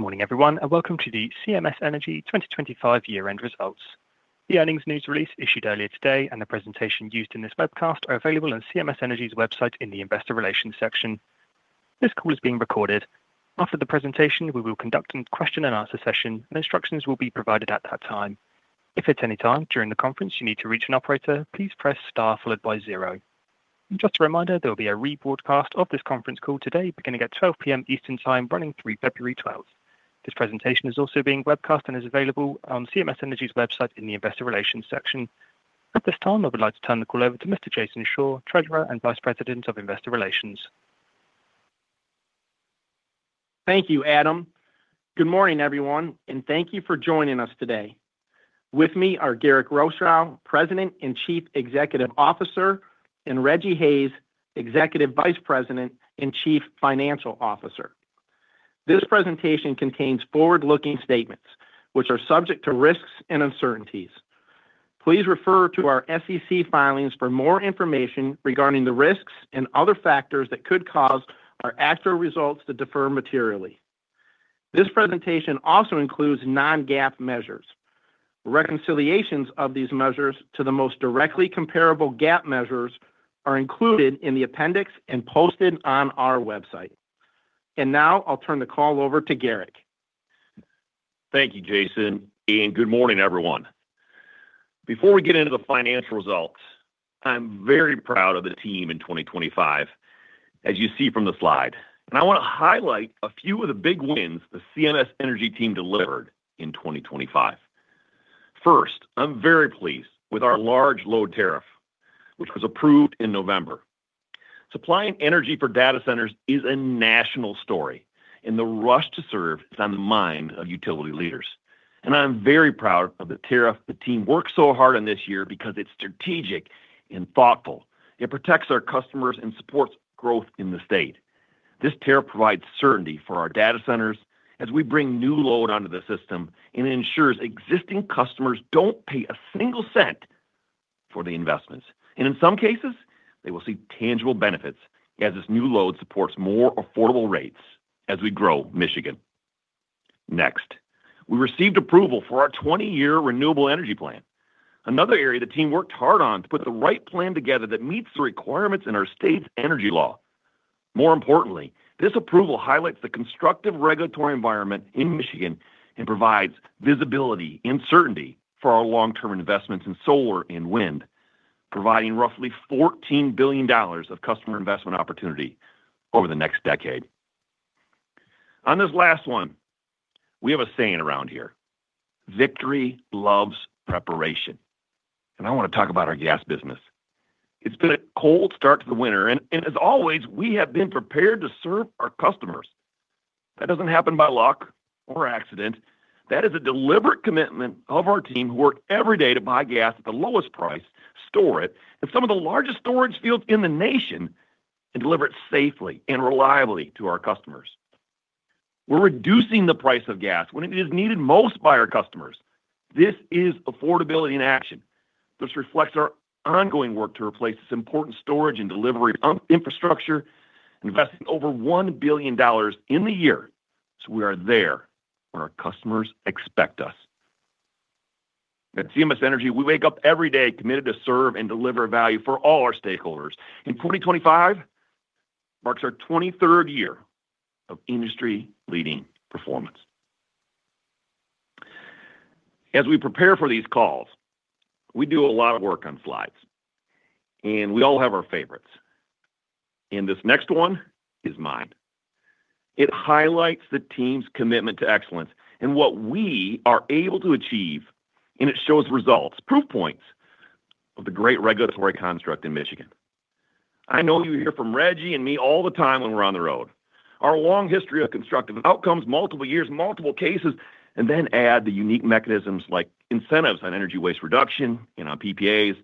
Good morning, everyone, and welcome to the CMS Energy 2025 year-end results. The earnings news release issued earlier today and the presentation used in this webcast are available on CMS Energy's website in the Investor Relations section. This call is being recorded. After the presentation, we will conduct a question-and-answer session, and instructions will be provided at that time. If at any time during the conference you need to reach an operator, please press star followed by 0. Just a reminder, there will be a rebroadcast of this conference call today beginning at 12:00 P.M. Eastern Time running through February 12th. This presentation is also being webcast and is available on CMS Energy's website in the Investor Relations section. At this time, I would like to turn the call over to Mr. Jason Shore, Treasurer and Vice President of Investor Relations. Thank you, Adam. Good morning, everyone, and thank you for joining us today. With me are Garrick Rochow, President and Chief Executive Officer, and Rejji Hayes, Executive Vice President and Chief Financial Officer. This presentation contains forward-looking statements, which are subject to risks and uncertainties. Please refer to our SEC filings for more information regarding the risks and other factors that could cause our actual results to differ materially. This presentation also includes non-GAAP measures. Reconciliations of these measures to the most directly comparable GAAP measures are included in the appendix and posted on our website. And now I'll turn the call over to Garrick. Thank you, Jason, and good morning, everyone. Before we get into the financial results, I'm very proud of the team in 2025, as you see from the slide. I want to highlight a few of the big wins the CMS Energy team delivered in 2025. First, I'm very pleased with our Large Load Tariff, which was approved in November. Supplying energy for data centers is a national story, and the rush to serve is on the mind of utility leaders. I'm very proud of the tariff the team worked so hard on this year because it's strategic and thoughtful. It protects our customers and supports growth in the state. This tariff provides certainty for our data centers as we bring new load onto the system and ensures existing customers don't pay a single cent for the investments. In some cases, they will see tangible benefits as this new load supports more affordable rates as we grow Michigan. Next, we received approval for our 20-year renewable energy plan, another area the team worked hard on to put the right plan together that meets the requirements in our state's energy law. More importantly, this approval highlights the constructive regulatory environment in Michigan and provides visibility and certainty for our long-term investments in solar and wind, providing roughly $14 billion of customer investment opportunity over the next decade. On this last one, we have a saying around here, "Victory loves preparation." And I want to talk about our gas business. It's been a cold start to the winter, and as always, we have been prepared to serve our customers. That doesn't happen by luck or accident. That is a deliberate commitment of our team who work every day to buy gas at the lowest price, store it in some of the largest storage fields in the nation, and deliver it safely and reliably to our customers. We're reducing the price of gas when it is needed most by our customers. This is affordability in action. This reflects our ongoing work to replace this important storage and delivery infrastructure, investing over $1 billion in the year so we are there where our customers expect us. At CMS Energy, we wake up every day committed to serve and deliver value for all our stakeholders. 2025 marks our 23rd year of industry-leading performance. As we prepare for these calls, we do a lot of work on slides, and we all have our favorites. This next one is mine. It highlights the team's commitment to excellence and what we are able to achieve, and it shows results, proof points of the great regulatory construct in Michigan. I know you hear from Rejji and me all the time when we're on the road. Our long history of constructive outcomes, multiple years, multiple cases, and then add the unique mechanisms like incentives on energy waste reduction and on PPAs,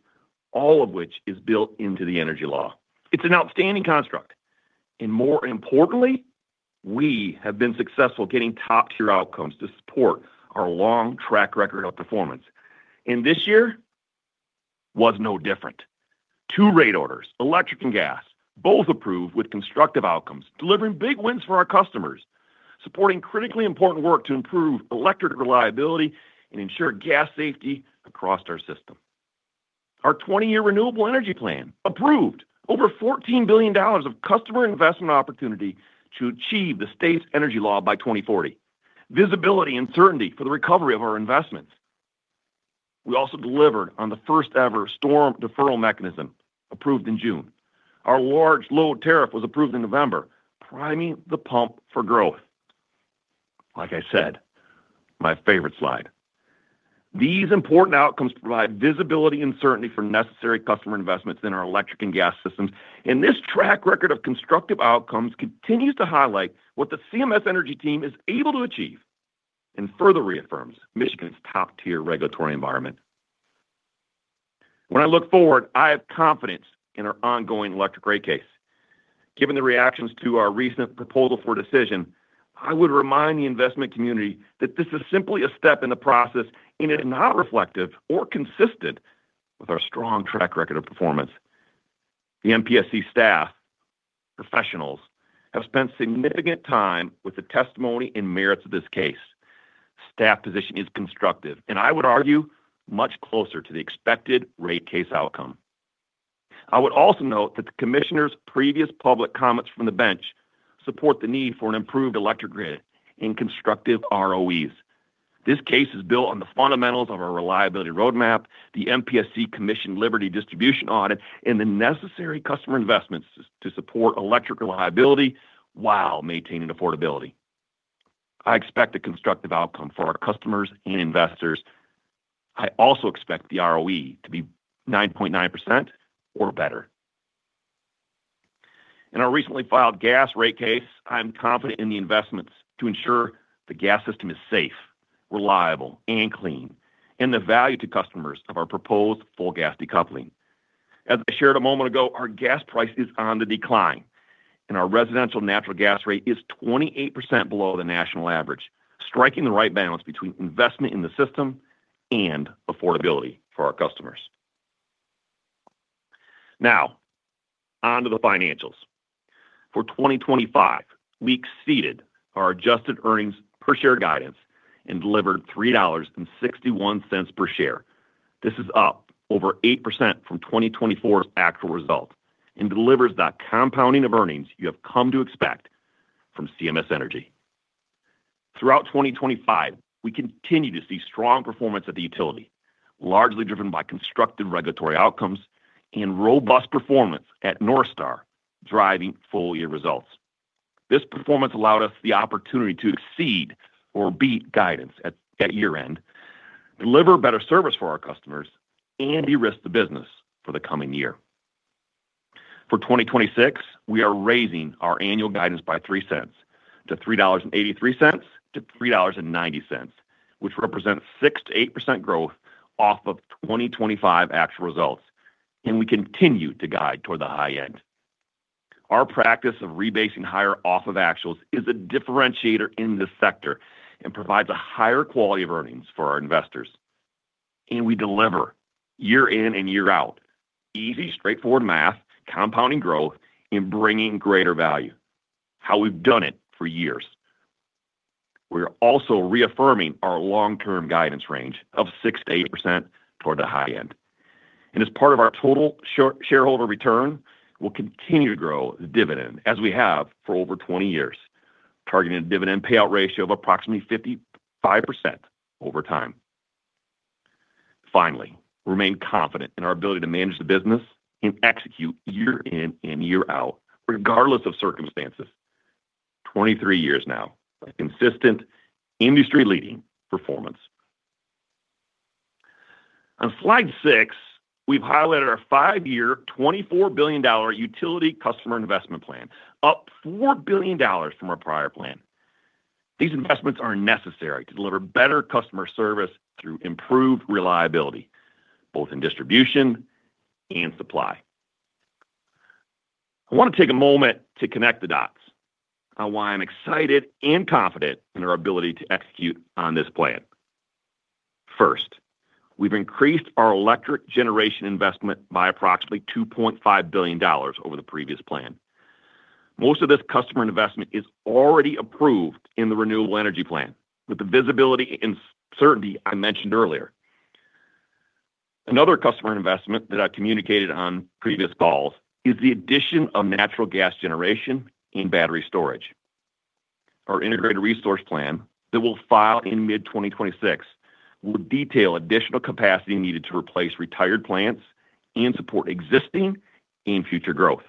all of which is built into the energy law. It's an outstanding construct. More importantly, we have been successful getting top-tier outcomes to support our long track record of performance. This year was no different. Two rate orders, electric and gas, both approved with constructive outcomes, delivering big wins for our customers, supporting critically important work to improve electric reliability and ensure gas safety across our system. Our 20-year renewable energy plan approved over $14 billion of customer investment opportunity to achieve the state's energy law by 2040, visibility and certainty for the recovery of our investments. We also delivered on the first-ever storm deferral mechanism approved in June. Our large load tariff was approved in November, priming the pump for growth. Like I said, my favorite slide. These important outcomes provide visibility and certainty for necessary customer investments in our electric and gas systems. And this track record of constructive outcomes continues to highlight what the CMS Energy team is able to achieve and further reaffirms Michigan's top-tier regulatory environment. When I look forward, I have confidence in our ongoing electric rate case. Given the reactions to our recent Proposal for Decision, I would remind the investment community that this is simply a step in the process and is not reflective or consistent with our strong track record of performance. The MPSC staff, professionals, have spent significant time with the testimony and merits of this case. Staff position is constructive, and I would argue much closer to the expected rate case outcome. I would also note that the commissioner's previous public comments from the bench support the need for an improved electric grid and constructive ROEs. This case is built on the fundamentals of our reliability roadmap, the MPSC Commission Liberty Distribution Audit, and the necessary customer investments to support electric reliability while maintaining affordability. I expect a constructive outcome for our customers and investors. I also expect the ROE to be 9.9% or better. In our recently filed gas rate case, I'm confident in the investments to ensure the gas system is safe, reliable, and clean, and the value to customers of our proposed full gas decoupling. As I shared a moment ago, our gas price is on the decline, and our residential natural gas rate is 28% below the national average, striking the right balance between investment in the system and affordability for our customers. Now, onto the financials. For 2025, we exceeded our adjusted earnings per share guidance and delivered $3.61 per share. This is up over 8% from 2024's actual result and delivers that compounding of earnings you have come to expect from CMS Energy. Throughout 2025, we continue to see strong performance at the utility, largely driven by constructive regulatory outcomes and robust performance at Northstar driving full-year results. This performance allowed us the opportunity to exceed or beat guidance at year-end, deliver better service for our customers, and de-risk the business for the coming year. For 2026, we are raising our annual guidance by $0.03, to $3.83-$3.90, which represents 6%-8% growth off of 2025 actual results, and we continue to guide toward the high end. Our practice of rebasing higher off of actuals is a differentiator in this sector and provides a higher quality of earnings for our investors. And we deliver year in and year out, easy, straightforward math, compounding growth, and bringing greater value, how we've done it for years. We are also reaffirming our long-term guidance range of 6%-8% toward the high end. As part of our total shareholder return, we'll continue to grow the dividend as we have for over 20 years, targeting a dividend payout ratio of approximately 55% over time. Finally, we remain confident in our ability to manage the business and execute year in and year out regardless of circumstances, 23 years now, consistent industry-leading performance. On Slide 6, we've highlighted our 5-year $24 billion utility customer investment plan, up $4 billion from our prior plan. These investments are necessary to deliver better customer service through improved reliability, both in distribution and supply. I want to take a moment to connect the dots on why I'm excited and confident in our ability to execute on this plan. First, we've increased our electric generation investment by approximately $2.5 billion over the previous plan. Most of this customer investment is already approved in the Renewable Energy Plan with the visibility and certainty I mentioned earlier. Another customer investment that I communicated on previous calls is the addition of natural gas generation and battery storage. Our Integrated Resource Plan that we'll file in mid-2026 will detail additional capacity needed to replace retired plants and support existing and future growth.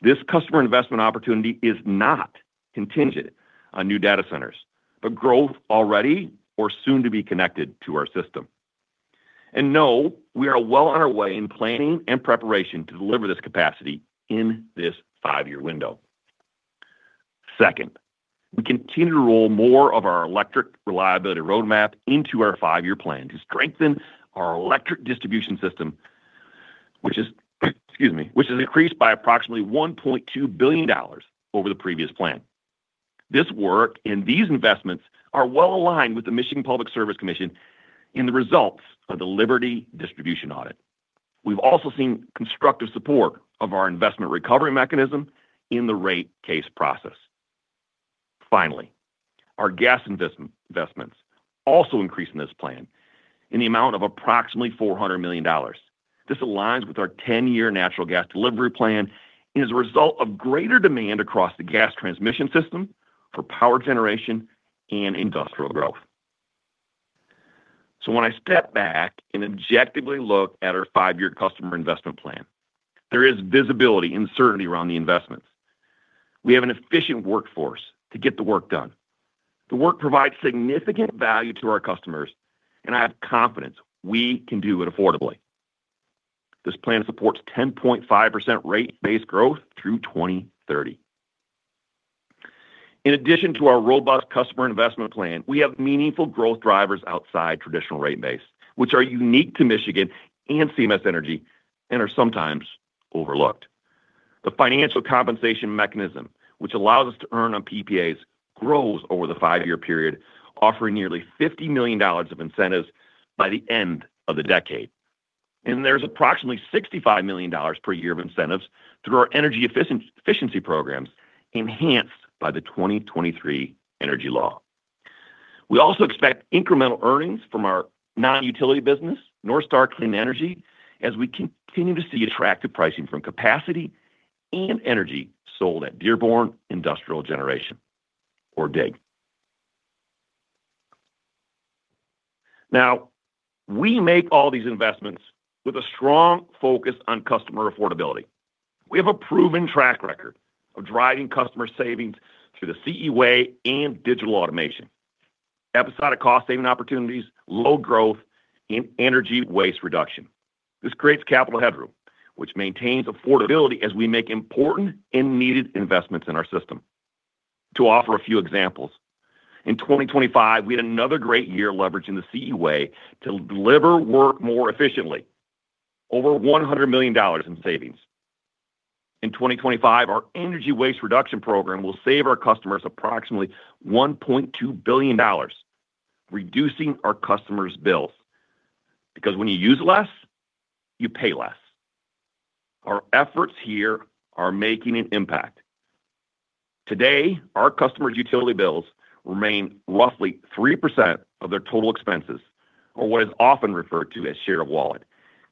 This customer investment opportunity is not contingent on new data centers, but growth already or soon to be connected to our system. And no, we are well on our way in planning and preparation to deliver this capacity in this five-year window. Second, we continue to roll more of our electric reliability roadmap into our five-year plan to strengthen our electric distribution system, which is increased by approximately $1.2 billion over the previous plan. This work and these investments are well aligned with the Michigan Public Service Commission and the results of the Liberty Distribution Audit. We've also seen constructive support of our investment recovery mechanism in the rate case process. Finally, our gas investments also increase in this plan in the amount of approximately $400 million. This aligns with our 10-year natural gas delivery plan and is a result of greater demand across the gas transmission system for power generation and industrial growth. So when I step back and objectively look at our 5-year customer investment plan, there is visibility and certainty around the investments. We have an efficient workforce to get the work done. The work provides significant value to our customers, and I have confidence we can do it affordably. This plan supports 10.5% rate base growth through 2030. In addition to our robust customer investment plan, we have meaningful growth drivers outside traditional rate base, which are unique to Michigan and CMS Energy and are sometimes overlooked. The financial compensation mechanism, which allows us to earn on PPAs, grows over the 5-year period, offering nearly $50 million of incentives by the end of the decade. There's approximately $65 million per year of incentives through our energy efficiency programs enhanced by the 2023 energy law. We also expect incremental earnings from our non-utility business, Northstar Clean Energy, as we continue to see attractive pricing from capacity and energy sold at Dearborn Industrial Generation, or DIG. Now, we make all these investments with a strong focus on customer affordability. We have a proven track record of driving customer savings through the CE Way and digital automation, episodic cost-saving opportunities, load growth, and energy waste reduction. This creates capital headroom, which maintains affordability as we make important and needed investments in our system. To offer a few examples, in 2025, we had another great year leveraging the CE Way to deliver work more efficiently, over $100 million in savings. In 2025, our Energy Waste Reduction program will save our customers approximately $1.2 billion, reducing our customers' bills because when you use less, you pay less. Our efforts here are making an impact. Today, our customers' utility bills remain roughly 3% of their total expenses, or what is often referred to as share of wallet.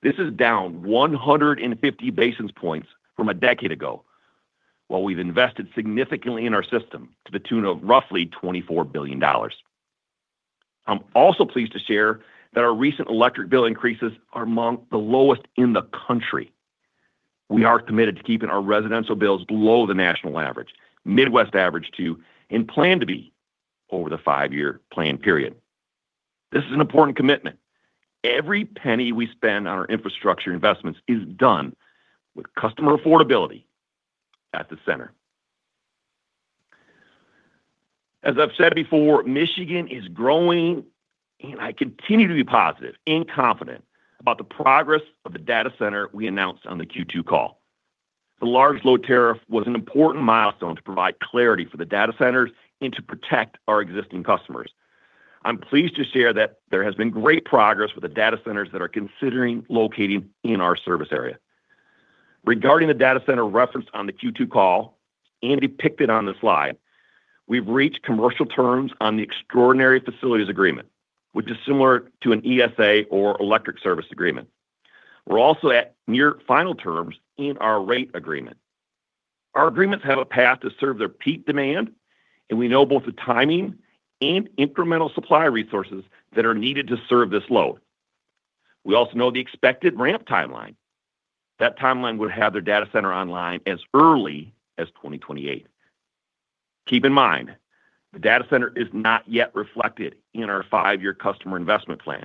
This is down 150 basis points from a decade ago while we've invested significantly in our system to the tune of roughly $24 billion. I'm also pleased to share that our recent electric bill increases are among the lowest in the country. We are committed to keeping our residential bills below the national average, Midwest average too, and plan to be over the five-year plan period. This is an important commitment. Every penny we spend on our infrastructure investments is done with customer affordability at the center. As I've said before, Michigan is growing, and I continue to be positive and confident about the progress of the data center we announced on the Q2 call. The large load tariff was an important milestone to provide clarity for the data centers and to protect our existing customers. I'm pleased to share that there has been great progress with the data centers that are considering locating in our service area. Regarding the data center referenced on the Q2 call and depicted on this slide, we've reached commercial terms on the Extraordinary Facilities Agreement, which is similar to an ESA or electric service agreement. We're also at near final terms in our rate agreement. Our agreements have a path to serve their peak demand, and we know both the timing and incremental supply resources that are needed to serve this load. We also know the expected ramp timeline. That timeline would have their data center online as early as 2028. Keep in mind, the data center is not yet reflected in our five-year customer investment plan.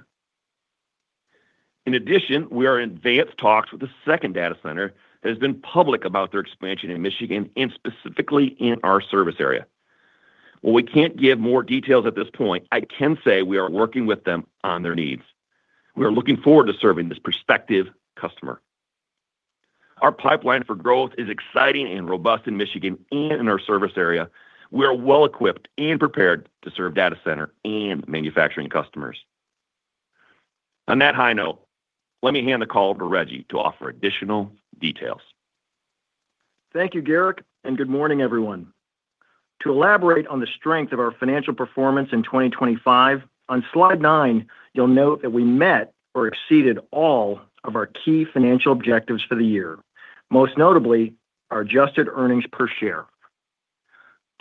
In addition, we are in advanced talks with the second data center that has been public about their expansion in Michigan and specifically in our service area. While we can't give more details at this point, I can say we are working with them on their needs. We are looking forward to serving this prospective customer. Our pipeline for growth is exciting and robust in Michigan and in our service area. We are well equipped and prepared to serve data center and manufacturing customers. On that high note, let me hand the call over to Rejji to offer additional details. Thank you, Garrick, and good morning, everyone. To elaborate on the strength of our financial performance in 2025, on slide 9, you'll note that we met or exceeded all of our key financial objectives for the year, most notably our adjusted earnings per share.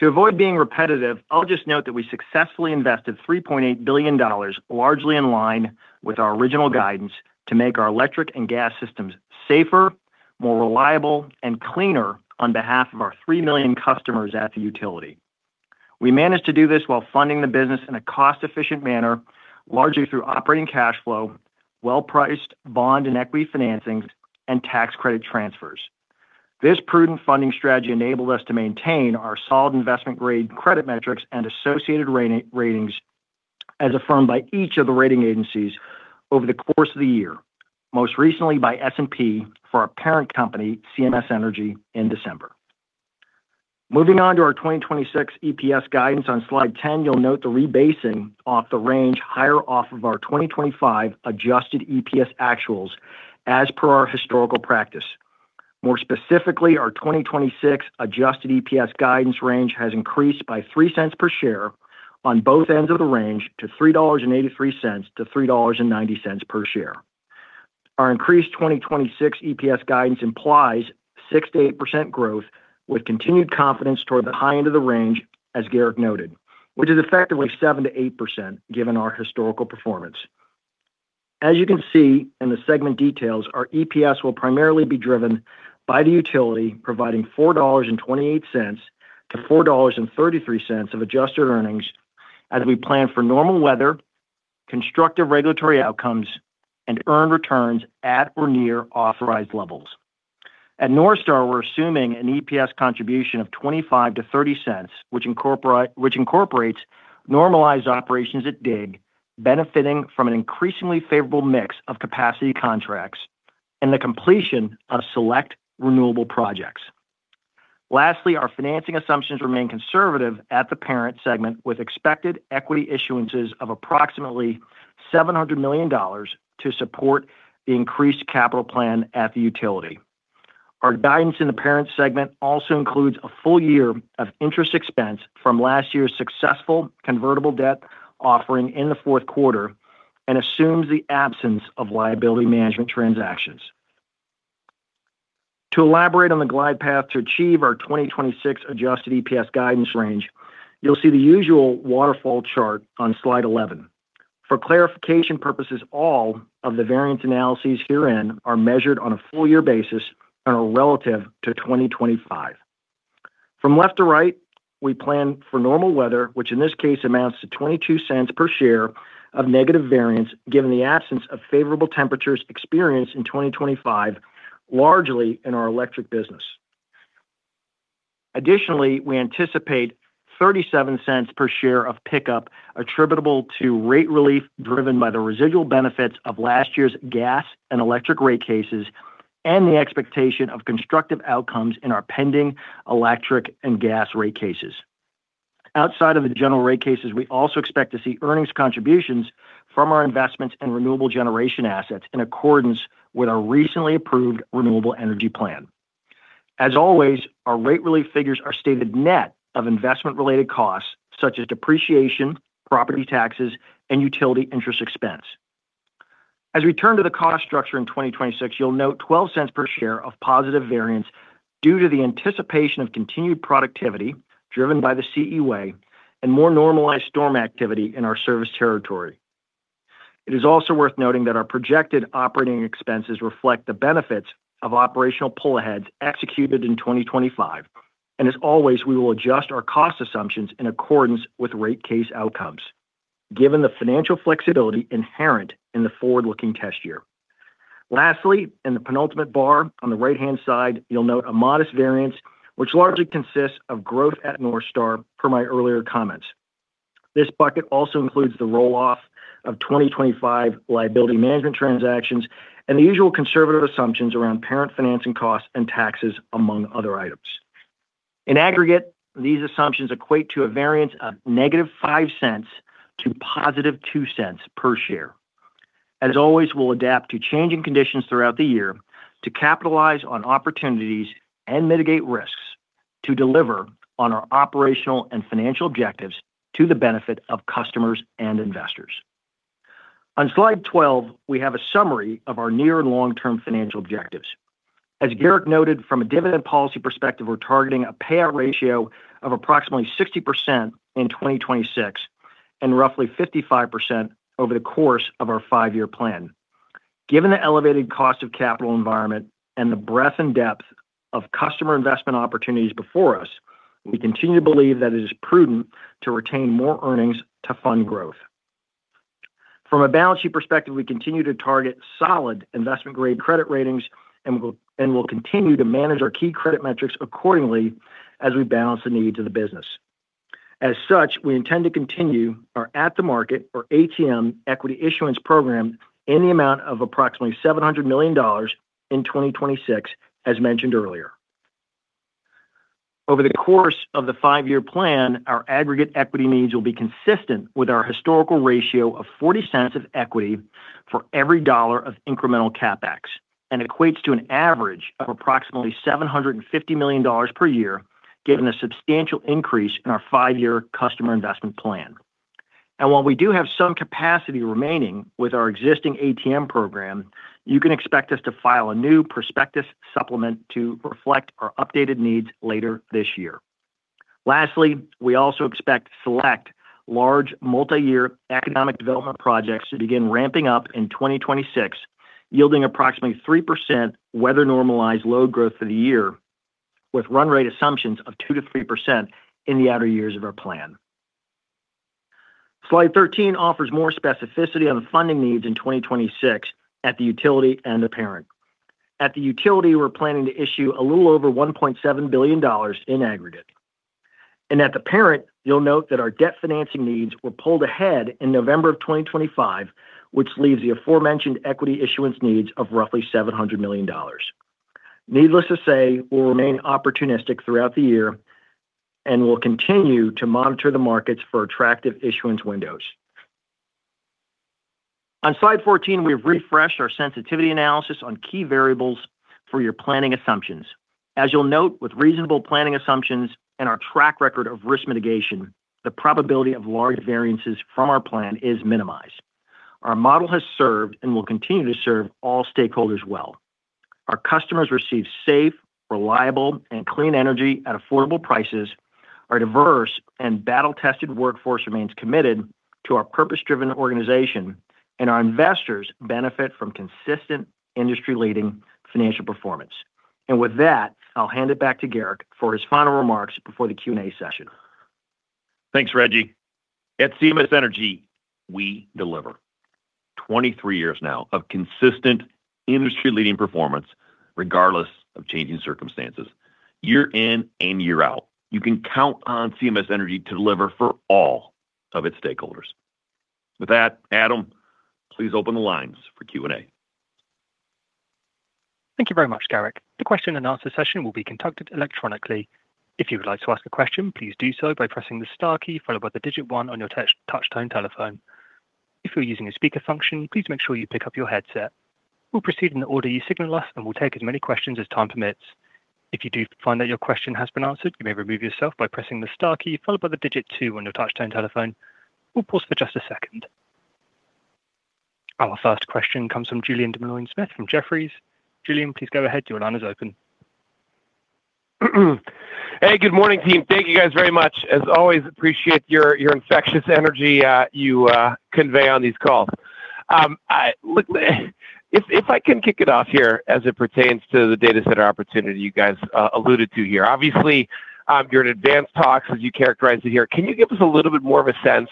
To avoid being repetitive, I'll just note that we successfully invested $3.8 billion, largely in line with our original guidance, to make our electric and gas systems safer, more reliable, and cleaner on behalf of our 3 million customers at the utility. We managed to do this while funding the business in a cost-efficient manner, largely through operating cash flow, well-priced bond and equity financings, and tax credit transfers. This prudent funding strategy enabled us to maintain our solid investment-grade credit metrics and associated ratings as affirmed by each of the rating agencies over the course of the year, most recently by S&P for our parent company, CMS Energy, in December. Moving on to our 2026 EPS guidance, on slide 10, you'll note the rebasing off the range higher off of our 2025 adjusted EPS actuals as per our historical practice. More specifically, our 2026 adjusted EPS guidance range has increased by 3 cents per share on both ends of the range to $3.83-$3.90 per share. Our increased 2026 EPS guidance implies 6%-8% growth with continued confidence toward the high end of the range, as Garrick noted, which is effectively 7%-8% given our historical performance. As you can see in the segment details, our EPS will primarily be driven by the utility providing $4.28-$4.33 of adjusted earnings as we plan for normal weather, constructive regulatory outcomes, and earned returns at or near authorized levels. At Northstar, we're assuming an EPS contribution of $0.25-$0.30, which incorporates normalized operations at DIG, benefiting from an increasingly favorable mix of capacity contracts and the completion of select renewable projects. Lastly, our financing assumptions remain conservative at the parent segment with expected equity issuances of approximately $700 million to support the increased capital plan at the utility. Our guidance in the parent segment also includes a full year of interest expense from last year's successful convertible debt offering in the fourth quarter and assumes the absence of liability management transactions. To elaborate on the glide path to achieve our 2026 adjusted EPS guidance range, you'll see the usual waterfall chart on slide 11. For clarification purposes, all of the variance analyses herein are measured on a full-year basis and are relative to 2025. From left to right, we plan for normal weather, which in this case amounts to $0.22 per share of negative variance given the absence of favorable temperatures experienced in 2025, largely in our electric business. Additionally, we anticipate $0.37 per share of pickup attributable to rate relief driven by the residual benefits of last year's gas and electric rate cases and the expectation of constructive outcomes in our pending electric and gas rate cases. Outside of the general rate cases, we also expect to see earnings contributions from our investments in renewable generation assets in accordance with our recently approved renewable energy plan. As always, our rate relief figures are stated net of investment-related costs such as depreciation, property taxes, and utility interest expense. As we turn to the cost structure in 2026, you'll note $0.12 per share of positive variance due to the anticipation of continued productivity driven by the CE Way and more normalized storm activity in our service territory. It is also worth noting that our projected operating expenses reflect the benefits of operational pull-aheads executed in 2025. And as always, we will adjust our cost assumptions in accordance with rate case outcomes given the financial flexibility inherent in the forward-looking test year. Lastly, in the penultimate bar on the right-hand side, you'll note a modest variance, which largely consists of growth at Northstar per my earlier comments. This bucket also includes the rolloff of 2025 liability management transactions and the usual conservative assumptions around parent financing costs and taxes, among other items. In aggregate, these assumptions equate to a variance of -$0.05 to +$0.02 per share. As always, we'll adapt to changing conditions throughout the year to capitalize on opportunities and mitigate risks to deliver on our operational and financial objectives to the benefit of customers and investors. On slide 12, we have a summary of our near and long-term financial objectives. As Garrick noted, from a dividend policy perspective, we're targeting a payout ratio of approximately 60% in 2026 and roughly 55% over the course of our five-year plan. Given the elevated cost of capital environment and the breadth and depth of customer investment opportunities before us, we continue to believe that it is prudent to retain more earnings to fund growth. From a balance sheet perspective, we continue to target solid investment-grade credit ratings and will continue to manage our key credit metrics accordingly as we balance the needs of the business. As such, we intend to continue our at-the-market, or ATM, equity issuance program in the amount of approximately $700 million in 2026, as mentioned earlier. Over the course of the five-year plan, our aggregate equity needs will be consistent with our historical ratio of 40 cents of equity for every dollar of incremental CapEx and equates to an average of approximately $750 million per year, given a substantial increase in our five-year customer investment plan. And while we do have some capacity remaining with our existing ATM program, you can expect us to file a new prospectus supplement to reflect our updated needs later this year. Lastly, we also expect select large multi-year economic development projects to begin ramping up in 2026, yielding approximately 3% weather-normalized load growth for the year, with run rate assumptions of 2%-3% in the outer years of our plan. Slide 13 offers more specificity on the funding needs in 2026 at the utility and the parent. At the utility, we're planning to issue a little over $1.7 billion in aggregate. At the parent, you'll note that our debt financing needs were pulled ahead in November of 2025, which leaves the aforementioned equity issuance needs of roughly $700 million. Needless to say, we'll remain opportunistic throughout the year and will continue to monitor the markets for attractive issuance windows. On Slide 14, we've refreshed our sensitivity analysis on key variables for your planning assumptions. As you'll note, with reasonable planning assumptions and our track record of risk mitigation, the probability of large variances from our plan is minimized. Our model has served and will continue to serve all stakeholders well. Our customers receive safe, reliable, and clean energy at affordable prices. Our diverse and battle-tested workforce remains committed to our purpose-driven organization, and our investors benefit from consistent industry-leading financial performance. And with that, I'll hand it back to Garrick for his final remarks before the Q&A session. Thanks, Rejji. At CMS Energy, we deliver 23 years now of consistent industry-leading performance regardless of changing circumstances, year in and year out. You can count on CMS Energy to deliver for all of its stakeholders. With that, Adam, please open the lines for Q&A. Thank you very much, Garrick. The question and answer session will be conducted electronically. If you would like to ask a question, please do so by pressing the star key, followed by the digit one on your touch-tone telephone. If you're using a speaker function, please make sure you pick up your headset. We'll proceed in the order you signal us, and we'll take as many questions as time permits. If you do find that your question has been answered, you may remove yourself by pressing the star key, followed by the digit two on your touch-tone telephone. We'll pause for just a second. Our first question comes from Julian Dumoulin-Smith from Jefferies. Julian, please go ahead. Your line is open. Hey, good morning, team. Thank you guys very much. As always, appreciate your infectious energy you convey on these calls. If I can kick it off here as it pertains to the data center opportunity you guys alluded to here. Obviously, you're in advanced talks, as you characterize it here. Can you give us a little bit more of a sense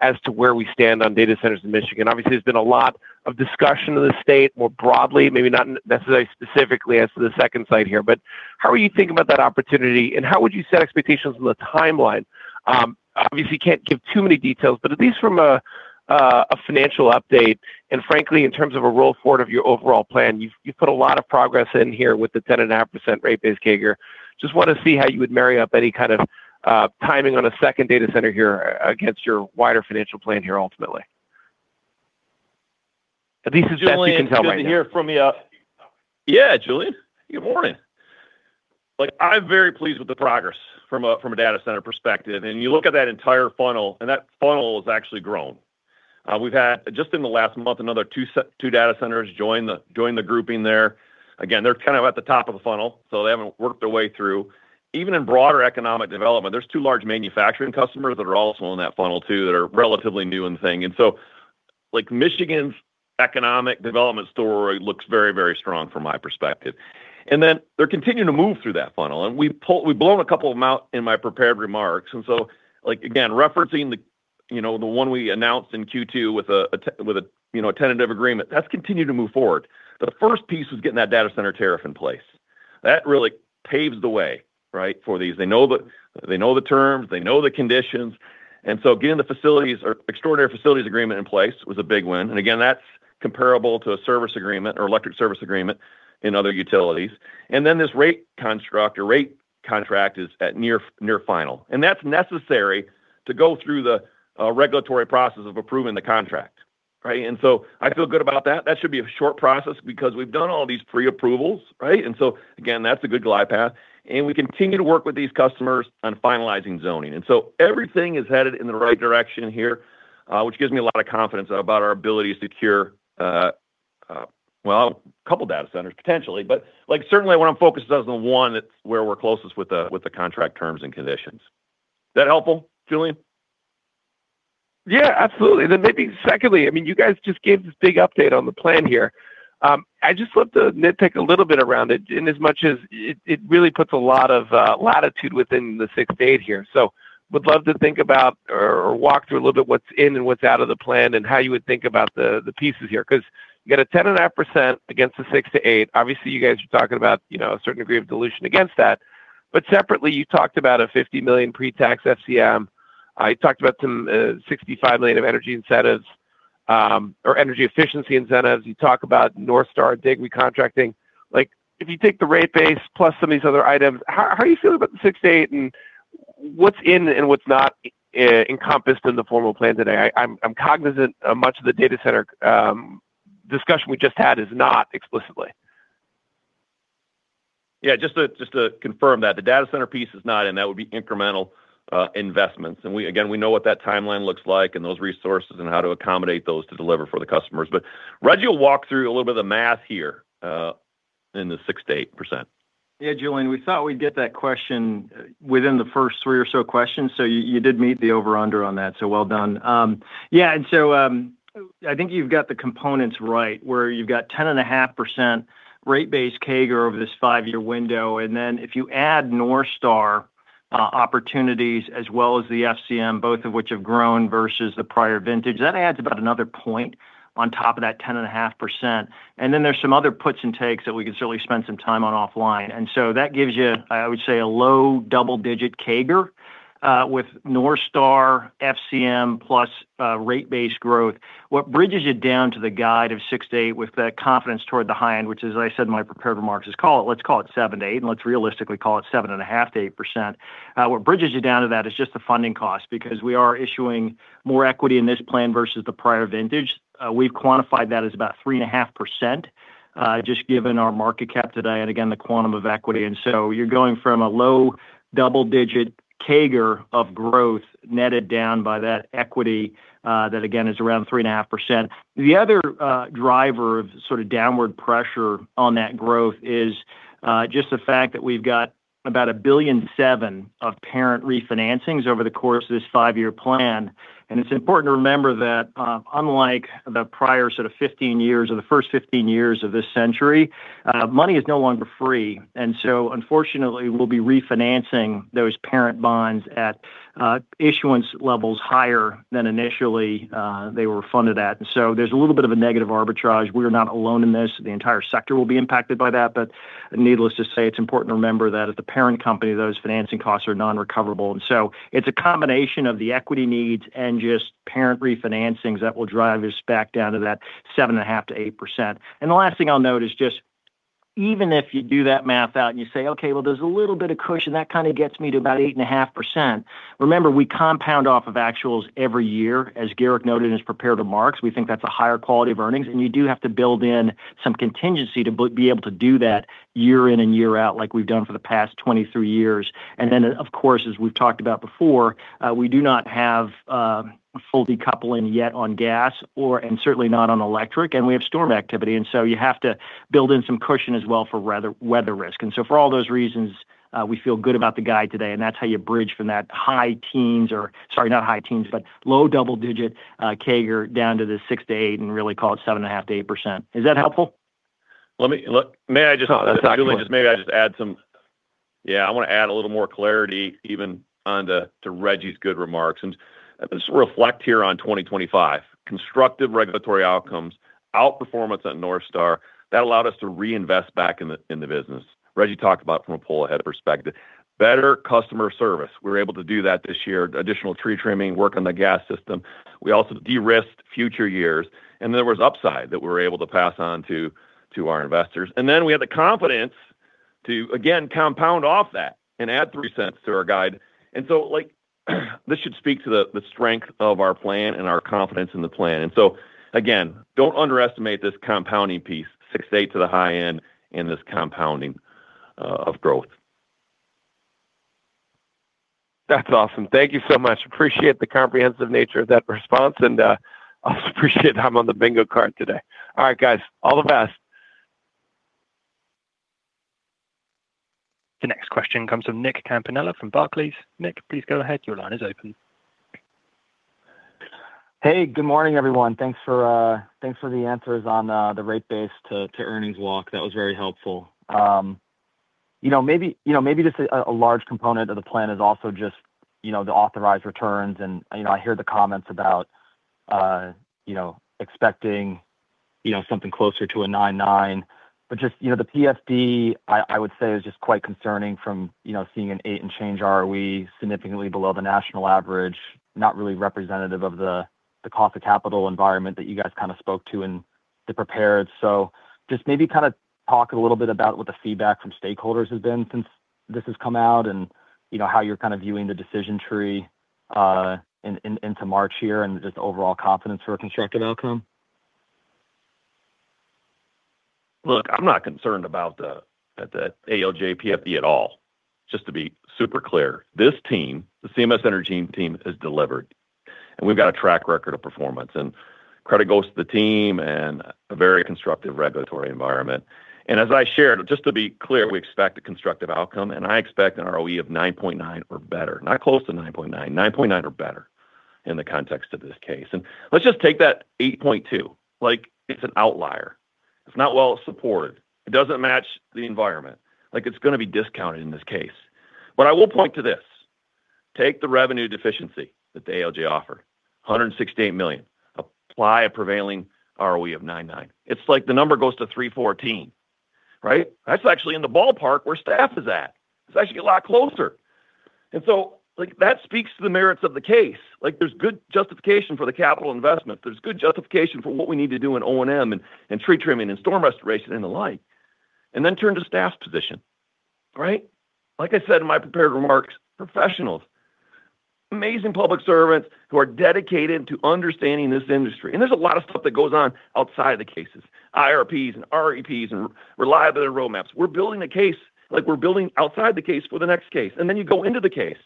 as to where we stand on data centers in Michigan? Obviously, there's been a lot of discussion in the state more broadly, maybe not necessarily specifically as to the second site here. But how are you thinking about that opportunity, and how would you set expectations on the timeline? Obviously, you can't give too many details, but at least from a financial update and frankly, in terms of a roll forward of your overall plan, you've put a lot of progress in here with the 10.5% rate-based CAGR. Just want to see how you would marry up any kind of timing on a second data center here against your wider financial plan here ultimately. At least as best you can tell by now. Julian, can you hear from me? Yeah, Julian, good morning. I'm very pleased with the progress from a data center perspective. And you look at that entire funnel, and that funnel has actually grown. We've had, just in the last month, another two data centers join the grouping there. Again, they're kind of at the top of the funnel, so they haven't worked their way through. Even in broader economic development, there's two large manufacturing customers that are also in that funnel too that are relatively new in the thing. And so Michigan's economic development story looks very, very strong from my perspective. And then they're continuing to move through that funnel. And we've blown a couple of them out in my prepared remarks. And so again, referencing the one we announced in Q2 with a tentative agreement, that's continued to move forward. The first piece was getting that data center tariff in place. That really paves the way for these. They know the terms. They know the conditions. And so getting the extraordinary facilities agreement in place was a big win. And again, that's comparable to a service agreement or electric service agreement in other utilities. And then this rate construct or rate contract is at near final. And that's necessary to go through the regulatory process of approving the contract. And so I feel good about that. That should be a short process because we've done all these pre-approvals. And so again, that's a good glide path. And we continue to work with these customers on finalizing zoning. And so everything is headed in the right direction here, which gives me a lot of confidence about our ability to secure, well, a couple of data centers, potentially. But certainly, what I'm focused on is the one where we're closest with the contract terms and conditions. Is that helpful, Julian? Yeah, absolutely. Then maybe secondly, I mean, you guys just gave this big update on the plan here. I just love to nitpick a little bit around it in as much as it really puts a lot of latitude within the 6%-8% here. So would love to think about or walk through a little bit what's in and what's out of the plan and how you would think about the pieces here. Because you got a 10.5% against the 6%-8%. Obviously, you guys are talking about a certain degree of dilution against that. But separately, you talked about a $50 million pre-tax FCM. You talked about some $65 million of energy incentives or energy efficiency incentives. You talk about Northstar DIG recontracting. If you take the rate base plus some of these other items, how are you feeling about the 6-8 and what's in and what's not encompassed in the formal plan today? I'm cognizant much of the data center discussion we just had is not explicitly. Yeah, just to confirm that, the data center piece is not in. That would be incremental investments. And again, we know what that timeline looks like and those resources and how to accommodate those to deliver for the customers. But Rejji, you'll walk through a little bit of the math here in the 6%-8%. Yeah, Julian, we thought we'd get that question within the first three or so questions. So you did meet the over/under on that. So well done. Yeah, and so I think you've got the components right where you've got 10.5% rate-based CAGR over this 5-year window. And then if you add Northstar opportunities as well as the FCM, both of which have grown versus the prior vintage, that adds about another point on top of that 10.5%. And then there's some other puts and takes that we can certainly spend some time on offline. And so that gives you, I would say, a low double-digit CAGR with Northstar FCM plus rate-based growth. What bridges it down to the guide of 6%-8% with that confidence toward the high end, which is, as I said in my prepared remarks, let's call it 7%-8%, and let's realistically call it 7.5%-8%. What bridges you down to that is just the funding cost because we are issuing more equity in this plan versus the prior vintage. We've quantified that as about 3.5%, just given our market cap today and, again, the quantum of equity. So you're going from a low double-digit CAGR of growth netted down by that equity that, again, is around 3.5%. The other driver of sort of downward pressure on that growth is just the fact that we've got about $1.7 billion of parent refinancings over the course of this 5-year plan. It's important to remember that unlike the prior sort of 15 years or the first 15 years of this century, money is no longer free. Unfortunately, we'll be refinancing those parent bonds at issuance levels higher than initially they were funded at. So there's a little bit of a negative arbitrage. We are not alone in this. The entire sector will be impacted by that. But needless to say, it's important to remember that as the parent company, those financing costs are non-recoverable. And so it's a combination of the equity needs and just parent refinancings that will drive us back down to that 7.5%-8%. And the last thing I'll note is just even if you do that math out and you say, "Okay, well, there's a little bit of cushion," that kind of gets me to about 8.5%. Remember, we compound off of actuals every year. As Garrick noted in his prepared remarks, we think that's a higher quality of earnings. And you do have to build in some contingency to be able to do that year in and year out like we've done for the past 23 years. And then, of course, as we've talked about before, we do not have full decoupling yet on gas and certainly not on electric. And we have storm activity. And so you have to build in some cushion as well for weather risk. And so for all those reasons, we feel good about the guide today. And that's how you bridge from that high teens or sorry, not high teens, but low double-digit CAGR down to the 6%-8% and really call it 7.5%-8%. Is that helpful? May I just. Julian, maybe I just add some yeah, I want to add a little more clarity even onto Reggie's good remarks. And let's reflect here on 2025. Constructive regulatory outcomes, outperformance at Northstar, that allowed us to reinvest back in the business. Reggie talked about from a pull-ahead perspective, better customer service. We were able to do that this year, additional tree trimming, work on the gas system. We also de-risked future years. And then there was upside that we were able to pass on to our investors. And then we had the confidence to, again, compound off that and add $0.03 to our guide. And so this should speak to the strength of our plan and our confidence in the plan. And so again, don't underestimate this compounding piece, 6%-8% to the high end in this compounding of growth. That's awesome. Thank you so much. Appreciate the comprehensive nature of that response. And also appreciate I'm on the bingo card today. All right, guys, all the best. The next question comes from Nick Campanella from Barclays. Nick, please go ahead. Your line is open. Hey, good morning, everyone. Thanks for the answers on the rate base to earnings walk. That was very helpful. Maybe just a large component of the plan is also just the authorized returns. And I hear the comments about expecting something closer to a 9.9%. But just the PFD, I would say, is just quite concerning from seeing an 8% and change ROE significantly below the national average, not really representative of the cost of capital environment that you guys kind of spoke to in the prepared. So just maybe kind of talk a little bit about what the feedback from stakeholders has been since this has come out and how you're kind of viewing the decision tree into March here and just overall confidence for a constructive outcome. Look, I'm not concerned about the ALJ PFD at all. Just to be super clear, this team, the CMS Energy team, has delivered. We've got a track record of performance and credit goes to the team and a very constructive regulatory environment. As I shared, just to be clear, we expect a constructive outcome. I expect an ROE of 9.9 or better, not close to 9.9. 9.9 or better in the context of this case. Let's just take that 8.2. It's an outlier. It's not well supported. It doesn't match the environment. It's going to be discounted in this case. But I will point to this. Take the revenue deficiency that the ALJ offer, $168 million, apply a prevailing ROE of 9.9. It's like the number goes to 314, right? That's actually in the ballpark where staff is at. It's actually a lot closer. So that speaks to the merits of the case. There's good justification for the capital investment. There's good justification for what we need to do in O&M and tree trimming and storm restoration and the like. And then turn to staff's position, right? Like I said in my prepared remarks, professionals, amazing public servants who are dedicated to understanding this industry. And there's a lot of stuff that goes on outside of the cases, IRPs and REPs and reliability roadmaps. We're building a case. We're building outside the case for the next case. And then you go into the case.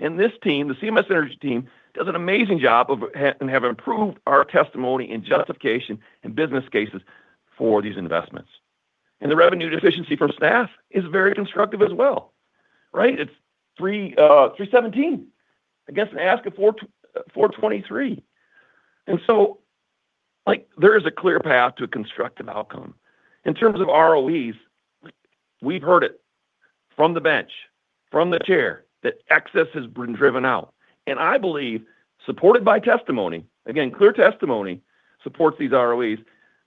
And this team, the CMS Energy team, does an amazing job of having improved our testimony and justification and business cases for these investments. And the revenue deficiency from staff is very constructive as well, right? It's $317 against an ask of $423. And so there is a clear path to a constructive outcome. In terms of ROEs, we've heard it from the bench, from the chair, that excess has been driven out. I believe, supported by testimony, again, clear testimony supports these ROEs,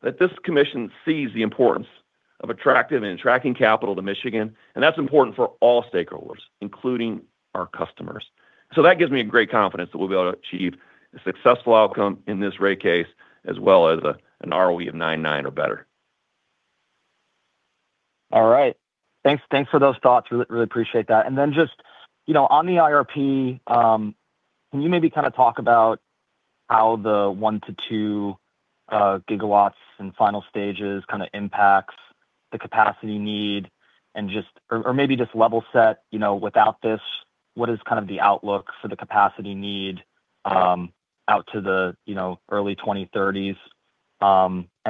that this commission sees the importance of attracting and tracking capital to Michigan. And that's important for all stakeholders, including our customers. So that gives me a great confidence that we'll be able to achieve a successful outcome in this rate case as well as an ROE of 9.9% or better. All right. Thanks for those thoughts. Really appreciate that. And then just on the IRP, can you maybe kind of talk about how the 1-2 GW in final stages kind of impacts the capacity need and just or maybe just level set without this, what is kind of the outlook for the capacity need out to the early 2030s?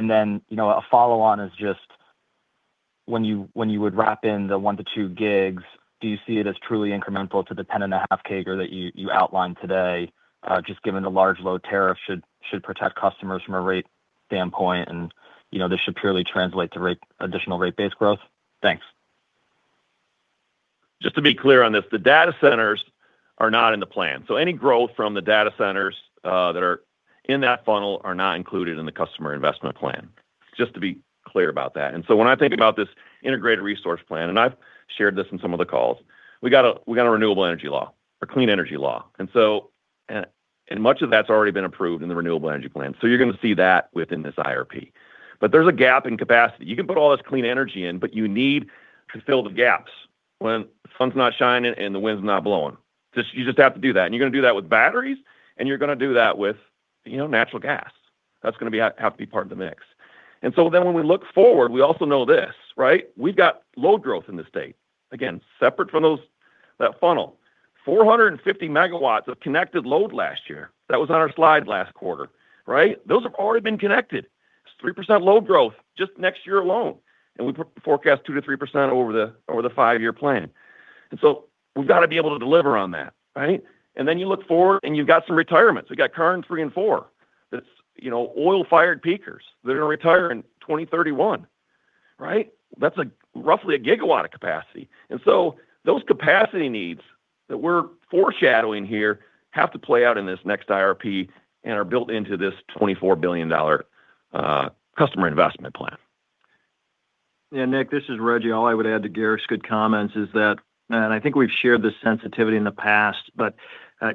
Then a follow-on is just when you would wrap in the 1-2 gigs, do you see it as truly incremental to the 10.5 GW that you outlined today, just given the Large Load Tariff should protect customers from a rate standpoint, and this should purely translate to additional rate-based growth? Thanks. Just to be clear on this, the data centers are not in the plan. So any growth from the data centers that are in that funnel are not included in the customer investment plan, just to be clear about that. So when I think about this Integrated Resource Plan, and I've shared this in some of the calls, we got a renewable energy law or clean energy law. And much of that's already been approved in the Renewable Energy Plan. So you're going to see that within this IRP. But there's a gap in capacity. You can put all this clean energy in, but you need to fill the gaps when the sun's not shining and the wind's not blowing. You just have to do that. And you're going to do that with batteries, and you're going to do that with natural gas. That's going to have to be part of the mix. And so then when we look forward, we also know this, right? We've got load growth in this state. Again, separate from that funnel, 450 MW of connected load last year that was on our slide last quarter, right? Those have already been connected. It's 3% load growth just next year alone. And we forecast 2%-3% over the five-year plan. And so we've got to be able to deliver on that, right? And then you look forward, and you've got some retirements. We've got Karn 3 and 4, that's oil-fired peakers that are going to retire in 2031, right? That's roughly a gigawatt of capacity. And so those capacity needs that we're foreshadowing here have to play out in this next IRP and are built into this $24 billion customer investme nt plan. Yeah, Nick, this is Rejji. All I would add to Garrick's good comments is that, and I think we've shared this sensitivity in the past. But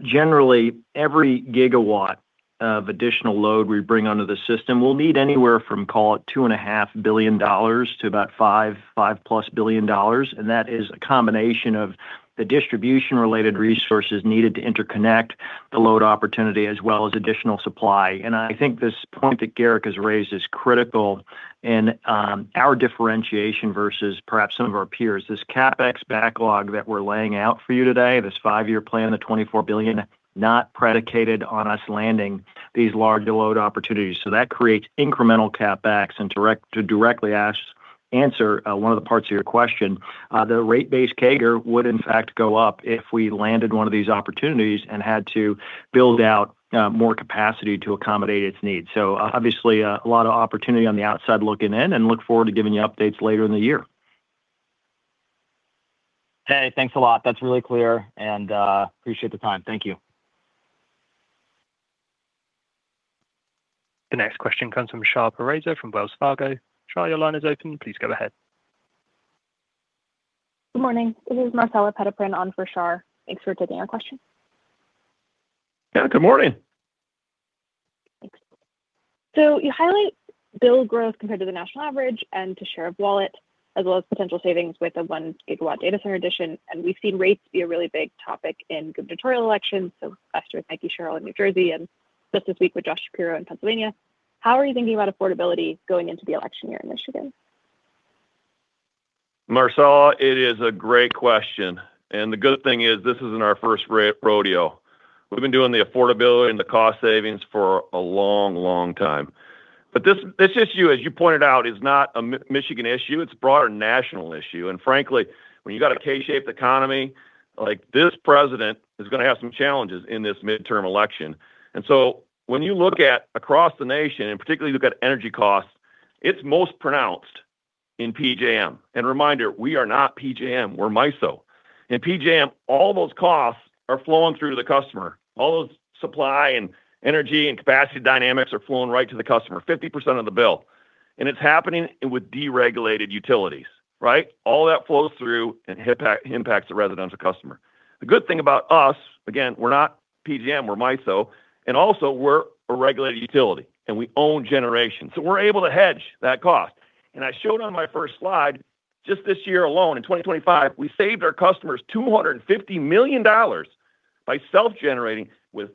generally, every gigawatt of additional load we bring under the system, we'll need anywhere from, call it, $2.5 billion to about $5+ billion. And that is a combination of the distribution-related resources needed to interconnect the load opportunity as well as additional supply. And I think this point that Garrick has raised is critical in our differentiation versus perhaps some of our peers. This CapEx backlog that we're laying out for you today, this five-year plan, the $24 billion, not predicated on us landing these large load opportunities. So that creates incremental CapEx. And to directly answer one of the parts of your question, the rate base growth would, in fact, go up if we landed one of these opportunities and had to build out more capacity to accommodate its needs. So obviously, a lot of opportunity on the outside looking in. And look forward to giving you updates later in the year. Hey, thanks a lot. That's really clear. And appreciate the time. Thank you. The next question comes from Shah Pourreza from Wells Fargo. Shah, your line is open. Please go ahead. Good morning. This is Marcella Putterman on for Shah. Thanks for taking our question. Yeah, good morning. Thanks. So you highlight bill growth compared to the national average and to share of wallet, as well as potential savings with a 1-gigawatt data center addition. And we've seen rates be a really big topic in gubernatorial elections. So last year, with Mikie Sherrill in New Jersey, and just this week with Josh Shapiro in Pennsylvania, how are you thinking about affordability going into the election year in Michigan? Marcella, it is a great question. And the good thing is, this isn't our first rodeo. We've been doing the affordability and the cost savings for a long, long time. But this issue, as you pointed out, is not a Michigan issue. It's a broader national issue. And frankly, when you got a K-shaped economy like this, the president is going to have some challenges in this midterm election. When you look at across the nation, and particularly look at energy costs, it's most pronounced in PJM. Reminder, we are not PJM. We're MISO. In PJM, all those costs are flowing through the customer. All those supply and energy and capacity dynamics are flowing right to the customer, 50% of the bill. And it's happening with deregulated utilities, right? All that flows through and impacts the residential customer. The good thing about us, again, we're not PJM. We're MISO. Also, we're a regulated utility. And we own generation. So we're able to hedge that cost. I showed on my first slide, just this year alone, in 2025, we saved our customers $250 million by self-generating with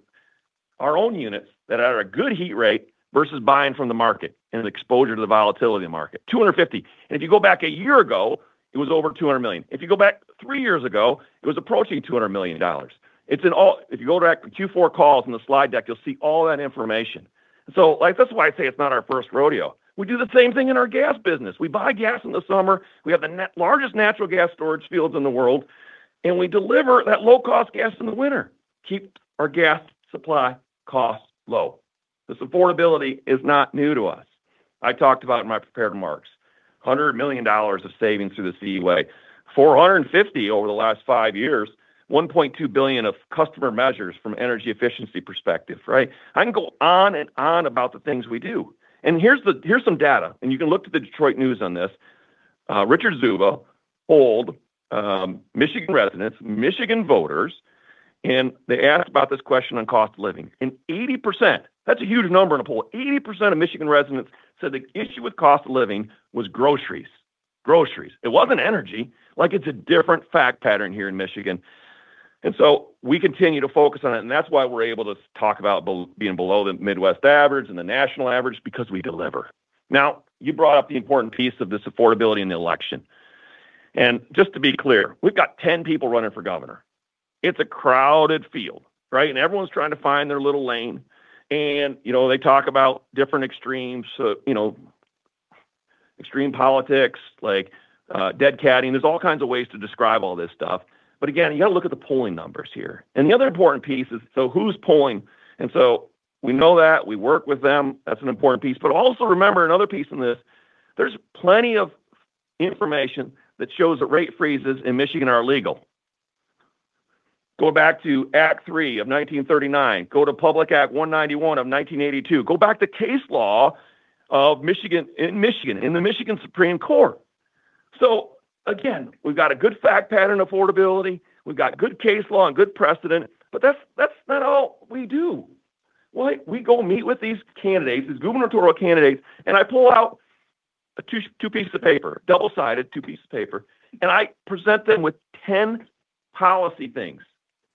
our own units that are at a good heat rate versus buying from the market and exposure to the volatility of the market, 250. And if you go back a year ago, it was over $200 million. If you go back three years ago, it was approaching $200 million. If you go direct to Q4 calls in the slide deck, you'll see all that information. So that's why I say it's not our first rodeo. We do the same thing in our gas business. We buy gas in the summer. We have the largest natural gas storage fields in the world. And we deliver that low-cost gas in the winter, keep our gas supply cost low. This affordability is not new to us. I talked about in my prepared remarks, $100 million of savings through the CE Way, $450 million over the last five years, $1.2 billion of customer measures from an energy efficiency perspective, right? I can go on and on about the things we do. And here's some data. You can look to The Detroit News on this. Richard Czuba polled Michigan residents, Michigan voters, and they asked about this question on cost of living. 80%, that's a huge number in a poll, 80% of Michigan residents said the issue with cost of living was groceries, groceries. It wasn't energy. It's a different fact pattern here in Michigan. We continue to focus on it. That's why we're able to talk about being below the Midwest average and the national average, because we deliver. Now, you brought up the important piece of this affordability in the election. Just to be clear, we've got 10 people running for governor. It's a crowded field, right? Everyone's trying to find their little lane. They talk about different extremes, extreme politics, dead catting. There's all kinds of ways to describe all this stuff. Again, you got to look at the polling numbers here. The other important piece is, so who's polling? So we know that. We work with them. That's an important piece. Also remember another piece in this, there's plenty of information that shows that rate freezes in Michigan are illegal. Go back to Act 3 of 1939. Go to Public Act 191 of 1982. Go back to case law in Michigan and the Michigan Supreme Court. So again, we've got a good fact pattern affordability. We've got good case law and good precedent. That's not all we do. We go meet with these candidates, these gubernatorial candidates, and I pull out two pieces of paper, double-sided two pieces of paper, and I present them with 10 policy things,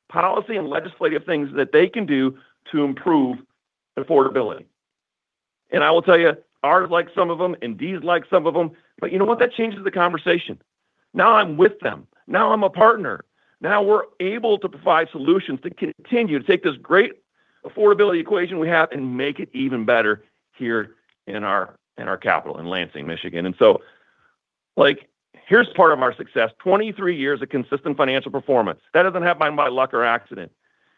policy and legislative things that they can do to improve affordability. And I will tell you, ours like some of them and these like some of them. But you know what? That changes the conversation. Now I'm with them. Now I'm a partner. Now we're able to provide solutions to continue to take this great affordability equation we have and make it even better here in our capital in Lansing, Michigan. And so here's part of our success, 23 years of consistent financial performance. That doesn't happen by luck or accident,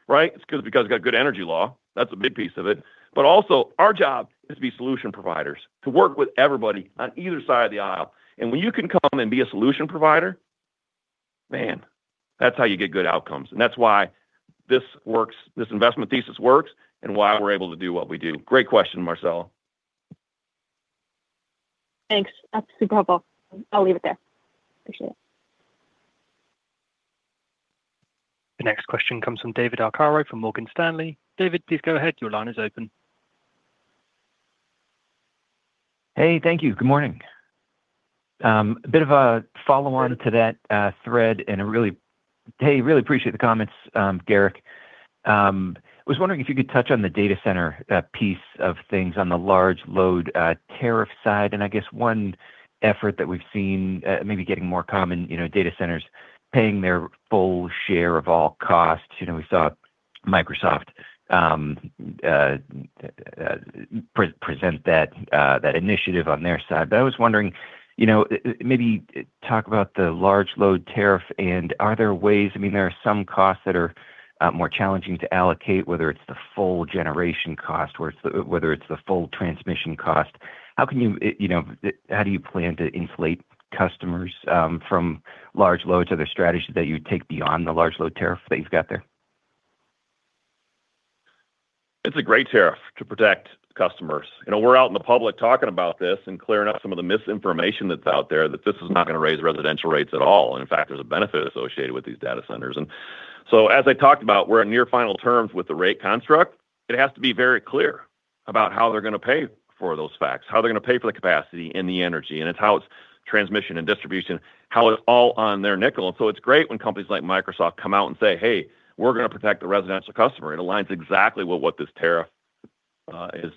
right? It's because we've got good energy law. That's a big piece of it. But also, our job is to be solution providers, to work with everybody on either side of the aisle. And when you can come and be a solution provider, man, that's how you get good outcomes. And that's why this investment thesis works and why we're able to do what we do. Great question, Marcella. Thanks. That's super helpful. I'll leave it there. Appreciate it. The next question comes from David Arcaro from Morgan Stanley. David, please go ahead. Your line is open. Hey, thank you. Good morning. A bit of a follow-on to that thread and really appreciate the comments, Garrick. I was wondering if you could touch on the data center piece of things on the Large Load Tariff side. And I guess one effort that we've seen maybe getting more common, data centers paying their full share of all costs. We saw Microsoft present that initiative on their side. But I was wondering, maybe talk about the Large Load Tariff. And are there ways I mean, there are some costs that are more challenging to allocate, whether it's the full generation cost, whether it's the full transmission cost. How can you, how do you plan to attract customers from large loads? Are there strategies that you take beyond the Large Load Tariff that you've got there? It's a great tariff to protect customers. We're out in the public talking about this and clearing up some of the misinformation that's out there, that this is not going to raise residential rates at all. And in fact, there's a benefit associated with these data centers. And so as I talked about, we're at near final terms with the rate construct. It has to be very clear about how they're going to pay for those costs, how they're going to pay for the capacity and the energy. And it's transmission and distribution, how it's all on their nickel. So it's great when companies like Microsoft come out and say, "Hey, we're going to protect the residential customer." It aligns exactly with what this tariff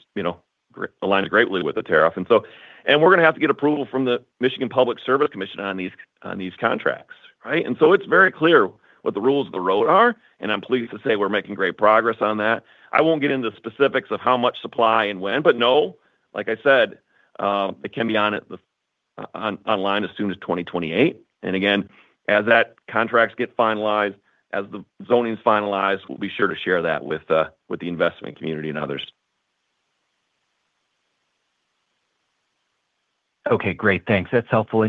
is aligns greatly with the tariff. We're going to have to get approval from the Michigan Public Service Commission on these contracts, right? So it's very clear what the rules of the road are. I'm pleased to say we're making great progress on that. I won't get into the specifics of how much supply and when. But no, like I said, it can be online as soon as 2028. Again, as that contract gets finalized, as the zoning's finalized, we'll be sure to share that with the investment community and others. Okay, great. Thanks. That's helpful.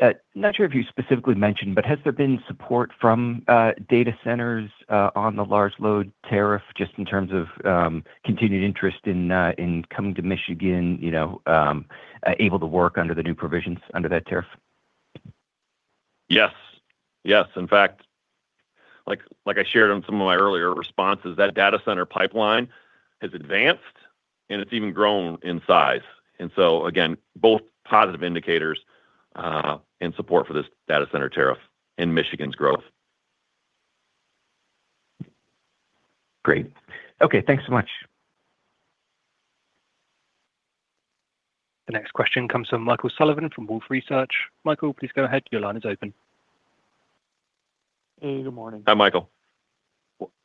I'm not sure if you specifically mentioned, but has there been support from data centers on the Large Load Tariff just in terms of continued interest in coming to Michigan, able to work under the new provisions, under that tariff? Yes. Yes. In fact, like I shared in some of my earlier responses, that data center pipeline has advanced, and it's even grown in size. And so again, both positive indicators and support for this data center tariff and Michigan's growth. Great. Okay, thanks so much. The next question comes from Michael Sullivan from Wolf Research. Michael, please go ahead. Your line is open. Hey, good morning. Hi, Michael.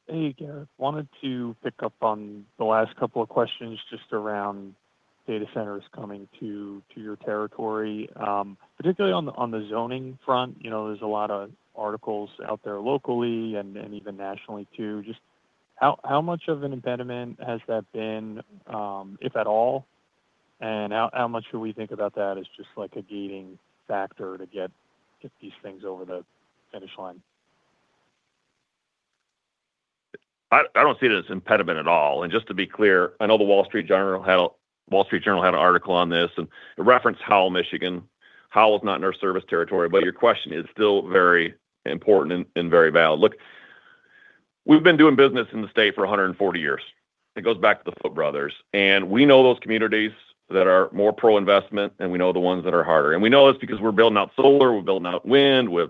Hey, Garrick. Wanted to pick up on the last couple of questions just around data centers coming to your territory, particularly on the zoning front. There's a lot of articles out there locally and even nationally, too. Just how much of an impediment has that been, if at all? And how much should we think about that as just a gating factor to get these things over the finish line? I don't see it as an impediment at all. And just to be clear, I know the Wall Street Journal had an article on this, and it referenced Howell, Michigan. Howell is not in our service territory. But your question is still very important and very valid. Look, we've been doing business in the state for 140 years. It goes back to the Foote Brothers. And we know those communities that are more pro-investment, and we know the ones that are harder. And we know this because we're building out solar. We're building out wind. We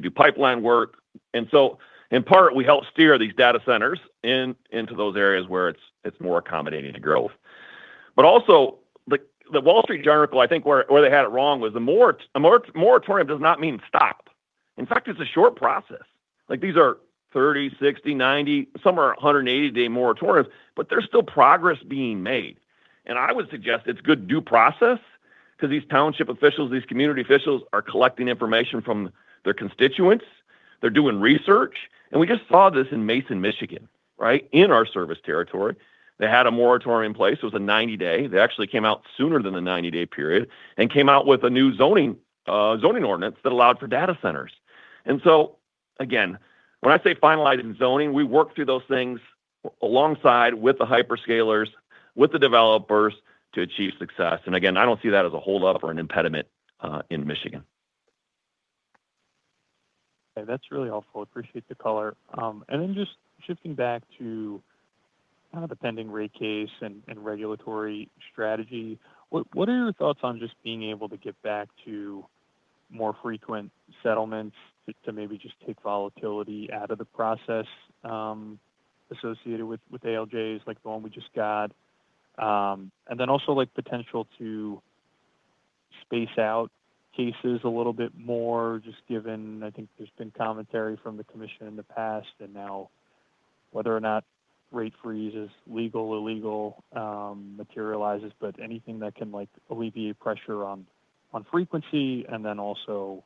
do pipeline work. And so in part, we help steer these data centers into those areas where it's more accommodating to growth. But also, The Wall Street Journal, I think where they had it wrong was the moratorium does not mean stop. In fact, it's a short process. These are 30, 60, 90, some are 180-day moratoriums, but there's still progress being made. And I would suggest it's good due process because these township officials, these community officials, are collecting information from their constituents. They're doing research. And we just saw this in Mason, Michigan, right, in our service territory. They had a moratorium in place. It was a 90-day. They actually came out sooner than the 90-day period and came out with a new zoning ordinance that allowed for data centers. And so again, when I say finalizing zoning, we work through those things alongside with the hyperscalers, with the developers to achieve success. And again, I don't see that as a holdup or an impediment in Michigan. Okay, that's really helpful. Appreciate the color. And then just shifting back to kind of the pending rate case and regulatory strategy, what are your thoughts on just being able to get back to more frequent settlements, to maybe just take volatility out of the process associated with ALJs like the one we just got? And then also potential to space out cases a little bit more, just given I think there's been commentary from the commission in the past and now whether or not rate freeze is legal, illegal, materializes, but anything that can alleviate pressure on frequency and then also,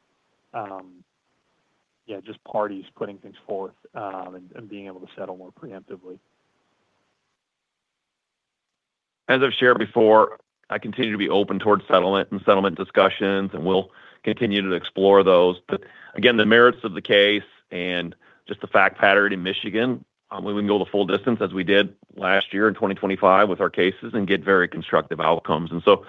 yeah, just parties putting things forth and being able to settle more preemptively. As I've shared before, I continue to be open towards settlement and settlement discussions, and we'll continue to explore those. But again, the merits of the case and just the fact pattern in Michigan, we can go the full distance as we did last year in 2025 with our cases and get very constructive outcomes. And so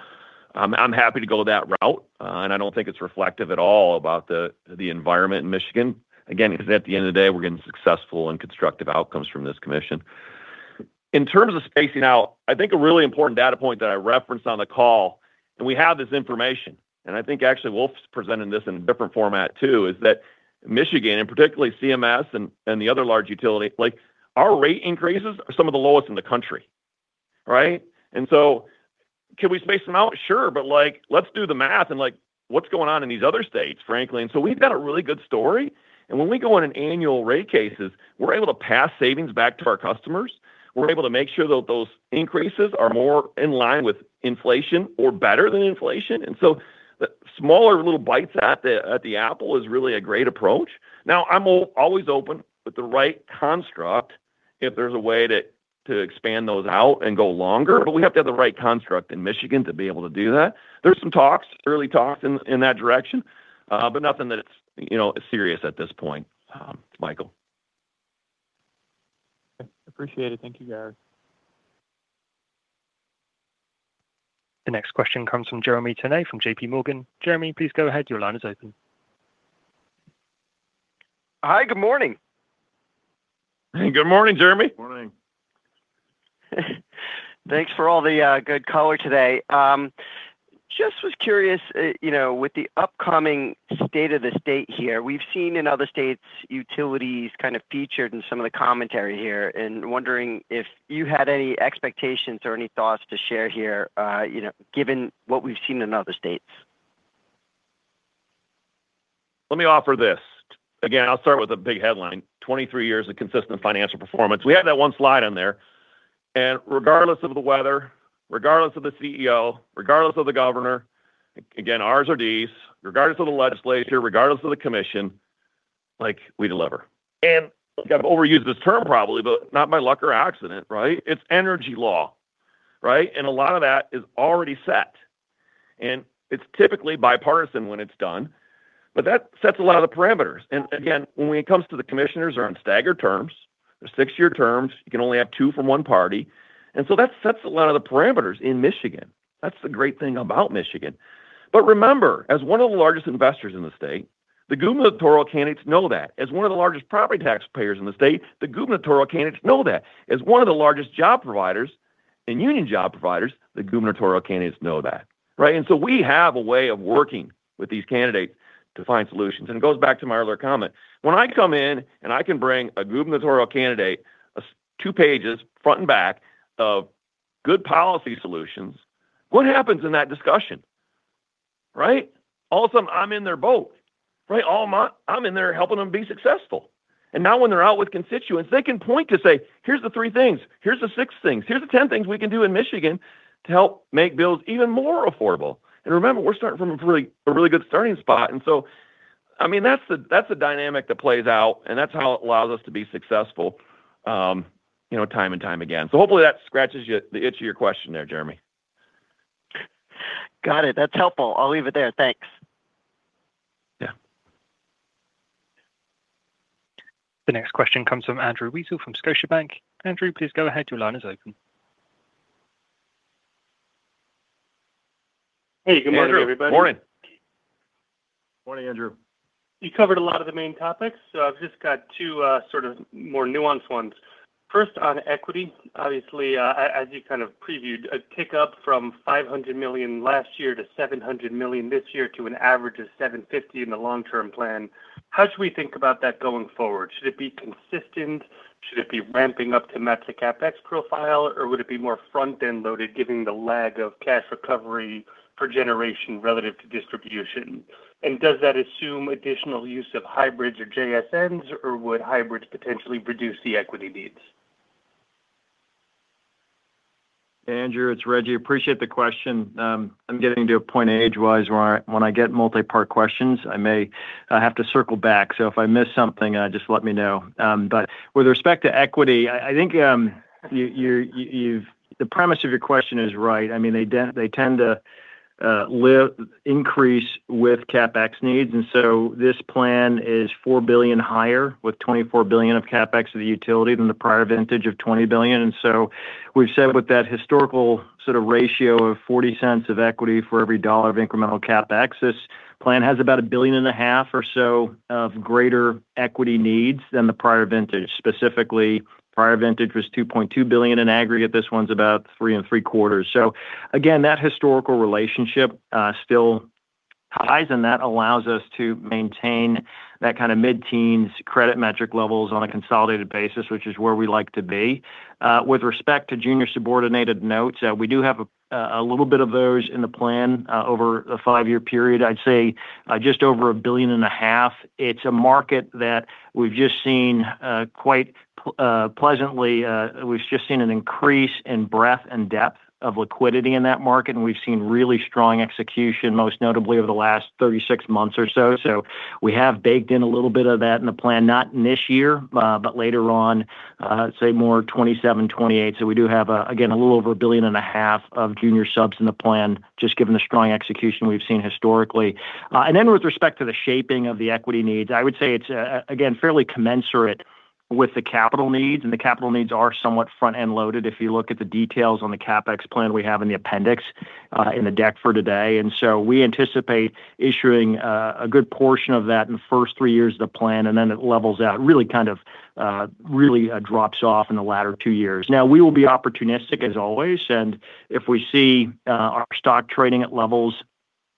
I'm happy to go that route. I don't think it's reflective at all about the environment in Michigan, again, because at the end of the day, we're getting successful and constructive outcomes from this commission. In terms of spacing out, I think a really important data point that I referenced on the call, and we have this information, and I think actually Wolf's presenting this in a different format, too, is that Michigan, and particularly CMS and the other large utility, our rate increases are some of the lowest in the country, right? And so can we space them out? Sure. But let's do the math. And what's going on in these other states, frankly? And so we've got a really good story. And when we go in an annual rate cases, we're able to pass savings back to our customers. We're able to make sure that those increases are more in line with inflation or better than inflation. And so the smaller little bites at the apple is really a great approach. Now, I'm always open with the right construct if there's a way to expand those out and go longer, but we have to have the right construct in Michigan to be able to do that. There's some talks, early talks in that direction, but nothing that's serious at this point, Michael. Appreciate it. Thank you, Garrick. The next question comes from Jeremy Tonet from JPMorgan. Jeremy, please go ahead. Your line is open. Hi, good morning. Good morning, Jeremy. Morning. Thanks for all the good color today. Just was curious, with the upcoming state of the state here, we've seen in other states utilities kind of featured in some of the commentary here, and wondering if you had any expectations or any thoughts to share here given what we've seen in other states. Let me offer this. Again, I'll start with a big headline, 23 years of consistent financial performance. We have that one slide in there. Regardless of the weather, regardless of the CEO, regardless of the governor, again, ours are these, regardless of the legislature, regardless of the commission, we deliver. I've overused this term probably, but not by luck or accident, right? It's energy law, right? A lot of that is already set. It's typically bipartisan when it's done, but that sets a lot of the parameters. Again, when it comes to the commissioners, they're on staggered terms. They're six-year terms. You can only have two from one party. And so that sets a lot of the parameters in Michigan. That's the great thing about Michigan. But remember, as one of the largest investors in the state, the gubernatorial candidates know that. As one of the largest property taxpayers in the state, the gubernatorial candidates know that. As one of the largest job providers and union job providers, the gubernatorial candidates know that, right? And so we have a way of working with these candidates to find solutions. And it goes back to my earlier comment. When I come in and I can bring a gubernatorial candidate, two pages, front and back, of good policy solutions, what happens in that discussion, right? All of a sudden, I'm in their boat, right? All month, I'm in there helping them be successful. And now when they're out with constituents, they can point to say, "Here's the three things. Here's the six things. Here's the 10 things we can do in Michigan to help make bills even more affordable." And remember, we're starting from a really good starting spot. And so I mean, that's a dynamic that plays out, and that's how it allows us to be successful time and time again. So hopefully, that scratches the itch of your question there, Jeremy. Got it. That's helpful. I'll leave it there. Thanks. Yeah. The next question comes from Andrew Weisel from Scotiabank. Andrew, please go ahead. Your line is open. Hey, good morning, everybody. Morning. Morning, Andrew. You covered a lot of the main topics, so I've just got two sort of more nuanced ones. First, on equity, obviously, as you kind of previewed, a tick-up from $500 million last year to $700 million this year to an average of $750 million in the long-term plan. How should we think about that going forward? Should it be consistent? Should it be ramping up to match the CapEx profile, or would it be more front-end loaded, given the lag of cash recovery per generation relative to distribution? And does that assume additional use of hybrids or JSNs, or would hybrids potentially reduce the equity needs? Andrew, it's Rejji. Appreciate the question. I'm getting to a point age-wise where when I get multi-part questions, I may have to circle back. So if I miss something, just let me know. But with respect to equity, I think the premise of your question is right. I mean, they tend to increase with CapEx needs. So this plan is $4 billion higher with $24 billion of CapEx to the utility than the prior vintage of $20 billion. So we've said with that historical sort of ratio of 40 cents of equity for every $1 of incremental CapEx, this plan has about $1.5 billion or so of greater equity needs than the prior vintage. Specifically, prior vintage was $2.2 billion in aggregate. This one's about $3.75 billion. So again, that historical relationship still ties in. That allows us to maintain that kind of mid-teens credit metric levels on a consolidated basis, which is where we like to be. With respect to junior subordinated notes, we do have a little bit of those in the plan over a 5-year period, I'd say just over $1.5 billion. It's a market that we've just seen, quite pleasantly, an increase in breadth and depth of liquidity in that market. And we've seen really strong execution, most notably over the last 36 months or so. So we have baked in a little bit of that in the plan, not in this year, but later on, say, more 2027, 2028. So we do have, again, a little over $1.5 billion of junior subs in the plan, just given the strong execution we've seen historically. And then with respect to the shaping of the equity needs, I would say it's, again, fairly commensurate with the capital needs. And the capital needs are somewhat front-end loaded if you look at the details on the CapEx plan we have in the appendix in the deck for today. And so we anticipate issuing a good portion of that in the first three years of the plan, and then it levels out, really kind of really drops off in the latter two years. Now, we will be opportunistic, as always. And if we see our stock trading at levels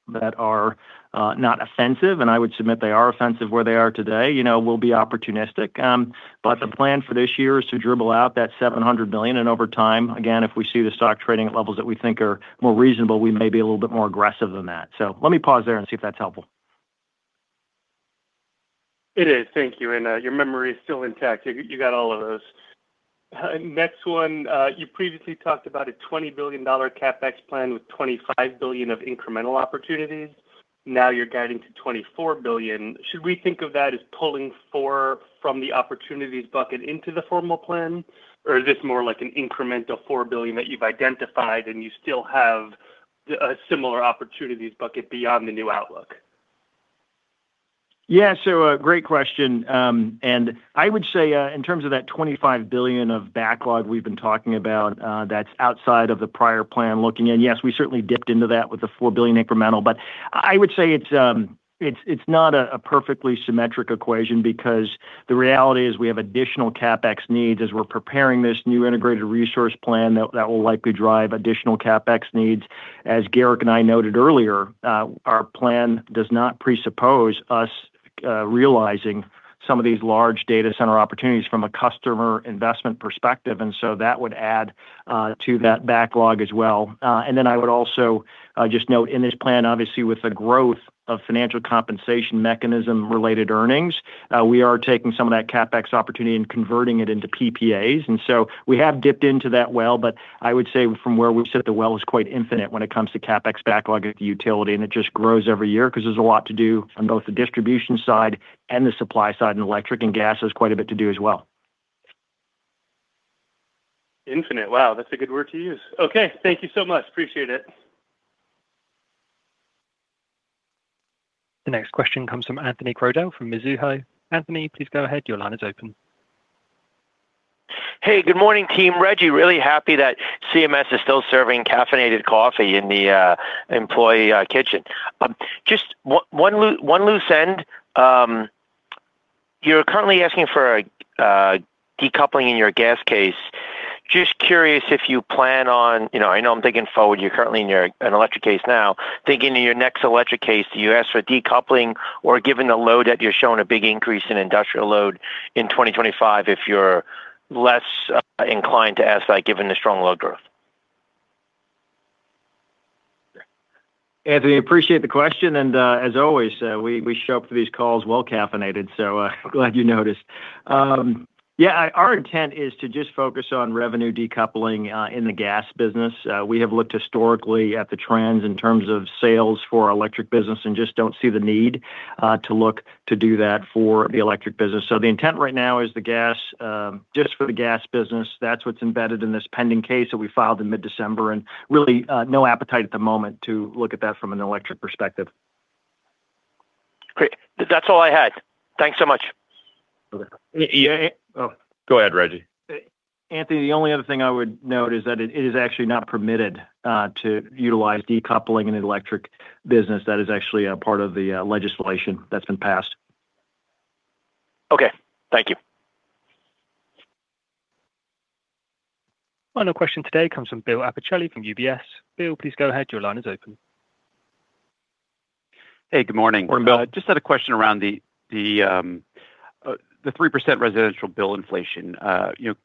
that are not offensive, and I would submit they are offensive where they are today, we'll be opportunistic. But the plan for this year is to dribble out that $700 million. And over time, again, if we see the stock trading at levels that we think are more reasonable, we may be a little bit more aggressive than that. So let me pause there and see if that's helpful. It is. Thank you. And your memory is still intact. You got all of those. Next one, you previously talked about a $20 billion CapEx plan with $25 billion of incremental opportunities. Now you're guiding to $24 billion. Should we think of that as pulling $4 billion from the opportunities bucket into the formal plan, or is this more like an incremental $4 billion that you've identified and you still have a similar opportunities bucket beyond the new outlook? Yeah, so great question. And I would say in terms of that $25 billion of backlog we've been talking about, that's outside of the prior plan looking in. Yes, we certainly dipped into that with the $4 billion incremental. But I would say it's not a perfectly symmetric equation because the reality is we have additional CapEx needs as we're preparing this new Integrated Resource Plan that will likely drive additional CapEx needs. As Garrick and I noted earlier, our plan does not presuppose us realizing some of these large data center opportunities from a customer investment perspective. And so that would add to that backlog as well. And then I would also just note in this plan, obviously, with the growth of financial compensation mechanism-related earnings, we are taking some of that CapEx opportunity and converting it into PPAs. And so we have dipped into that well, but I would say from where we sit, the well is quite infinite when it comes to CapEx backlog at the utility, and it just grows every year because there's a lot to do on both the distribution side and the supply side. And electric and gas has quite a bit to do as well. Infinite. Wow, that's a good word to use. Okay, thank you so much. Appreciate it. The next question comes from Anthony Crowdell from Mizuho. Anthony, please go ahead. Your line is open. Hey, good morning, team. Rejji, really happy that CMS is still serving caffeinated coffee in the employee kitchen. Just one loose end. You're currently asking for a decoupling in your gas case. Just curious if you plan on I know I'm thinking forward. You're currently in an electric case now. Thinking in your next electric case, do you ask for decoupling or given the load that you're showing a big increase in industrial load in 2025 if you're less inclined to ask that given the strong load growth? Anthony, appreciate the question. As always, we show up for these calls well caffeinated, so glad you noticed. Yeah, our intent is to just focus on revenue decoupling in the gas business. We have looked historically at the trends in terms of sales for electric business and just don't see the need to look to do that for the electric business. So the intent right now is just for the gas business. That's what's embedded in this pending case that we filed in mid-December. And really, no appetite at the moment to look at that from an electric perspective. Great. That's all I had. Thanks so much. Oh, go ahead, Rejji. Anthony, the only other thing I would note is that it is actually not permitted to utilize decoupling in an electric business. That is actually a part of the legislation that's been passed. Okay. Thank you. Final question today comes from Bill Appicelli from UBS. Bill, please go ahead. Your line is open. Hey, good morning. Morning, Bill. Just had a question around the 3% residential bill inflation.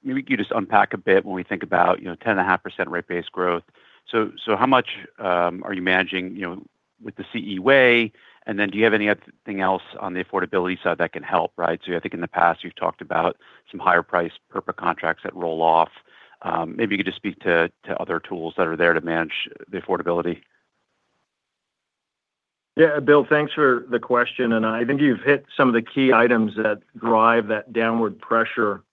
Maybe you just unpack a bit when we think about 10.5% rate base growth. So how much are you managing with the CE Way? And then do you have anything else on the affordability side that can help, right? So I think in the past, you've talked about some higher-priced PURPA contracts that roll off. Maybe you could just speak to other tools that are there to manage the affordability. Yeah, Bill, thanks for the question. And I think you've hit some of the key items that drive that downward pressure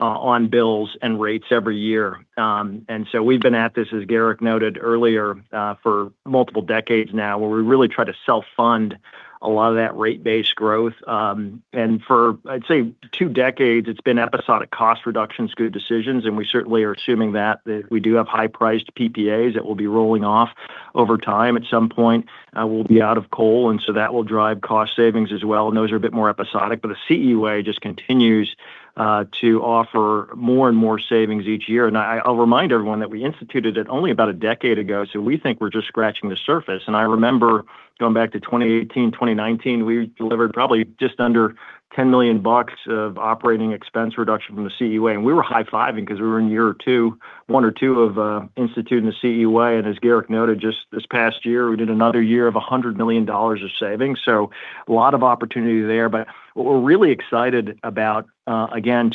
on bills and rates every year. And so we've been at this, as Garrick noted earlier, for multiple decades now where we really try to self-fund a lot of that rate base growth. And for, I'd say, two decades, it's been episodic cost reductions, good decisions. We certainly are assuming that we do have high-priced PPAs that will be rolling off over time. At some point, we'll be out of coal, and so that will drive cost savings as well. Those are a bit more episodic. But the CE Way just continues to offer more and more savings each year. I'll remind everyone that we instituted it only about a decade ago, so we think we're just scratching the surface. I remember going back to 2018, 2019, we delivered probably just under $10 million of operating expense reduction from the CE Way. We were high-fiving because we were in year two, one or two, of instituting the CE Way. As Garrick noted, just this past year, we did another year of $100 million of savings. So a lot of opportunity there. But what we're really excited about, again,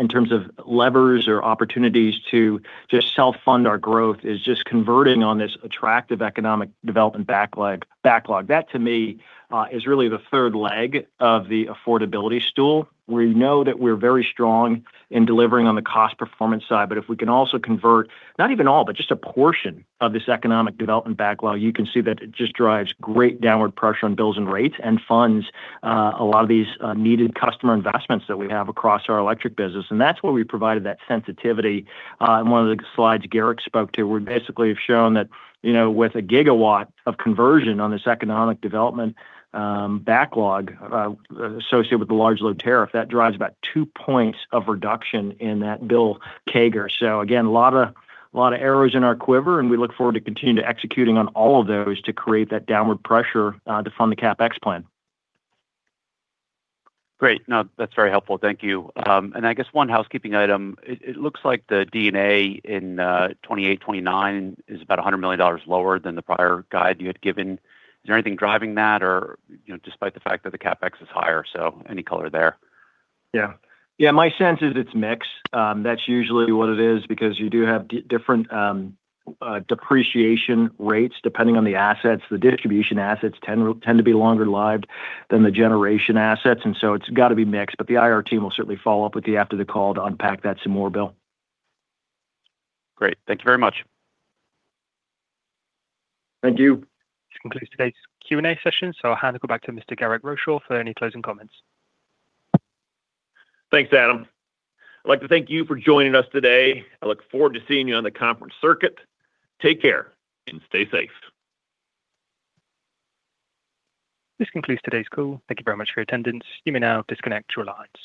in terms of levers or opportunities to just self-fund our growth, is just converting on this attractive economic development backlog. That, to me, is really the third leg of the affordability stool. We know that we're very strong in delivering on the cost performance side. But if we can also convert not even all, but just a portion of this economic development backlog, you can see that it just drives great downward pressure on bills and rates and funds a lot of these needed customer investments that we have across our electric business. And that's where we provided that sensitivity. In one of the slides Garrick spoke to, we basically have shown that with a gigawatt of conversion on this economic development backlog associated with the Large Load Tariff, that drives about 2 points of reduction in that bill CAGR. So again, a lot of arrows in our quiver, and we look forward to continuing to executing on all of those to create that downward pressure to fund the CapEx plan. Great. No, that's very helpful. Thank you. And I guess one housekeeping item, it looks like the D&A in 2028, 2029 is about $100 million lower than the prior guide you had given. Is there anything driving that, or despite the fact that the CapEx is higher? So any color there? Yeah. Yeah, my sense is it's mixed. That's usually what it is because you do have different depreciation rates depending on the assets. The distribution assets tend to be longer lived than the generation assets. And so it's got to be mixed. But the IR team will certainly follow up with you after the call to unpack that some more, Bill. Great. Thank you very much. Thank you. This concludes today's Q&A session. So I'll hand it back to Mr. Garrick Rochow for any closing comments. Thanks, Adam. I'd like to thank you for joining us today. I look forward to seeing you on the conference circuit. Take care and stay safe. This concludes today's call. Thank you very much for your attendance. You may now disconnect your lines.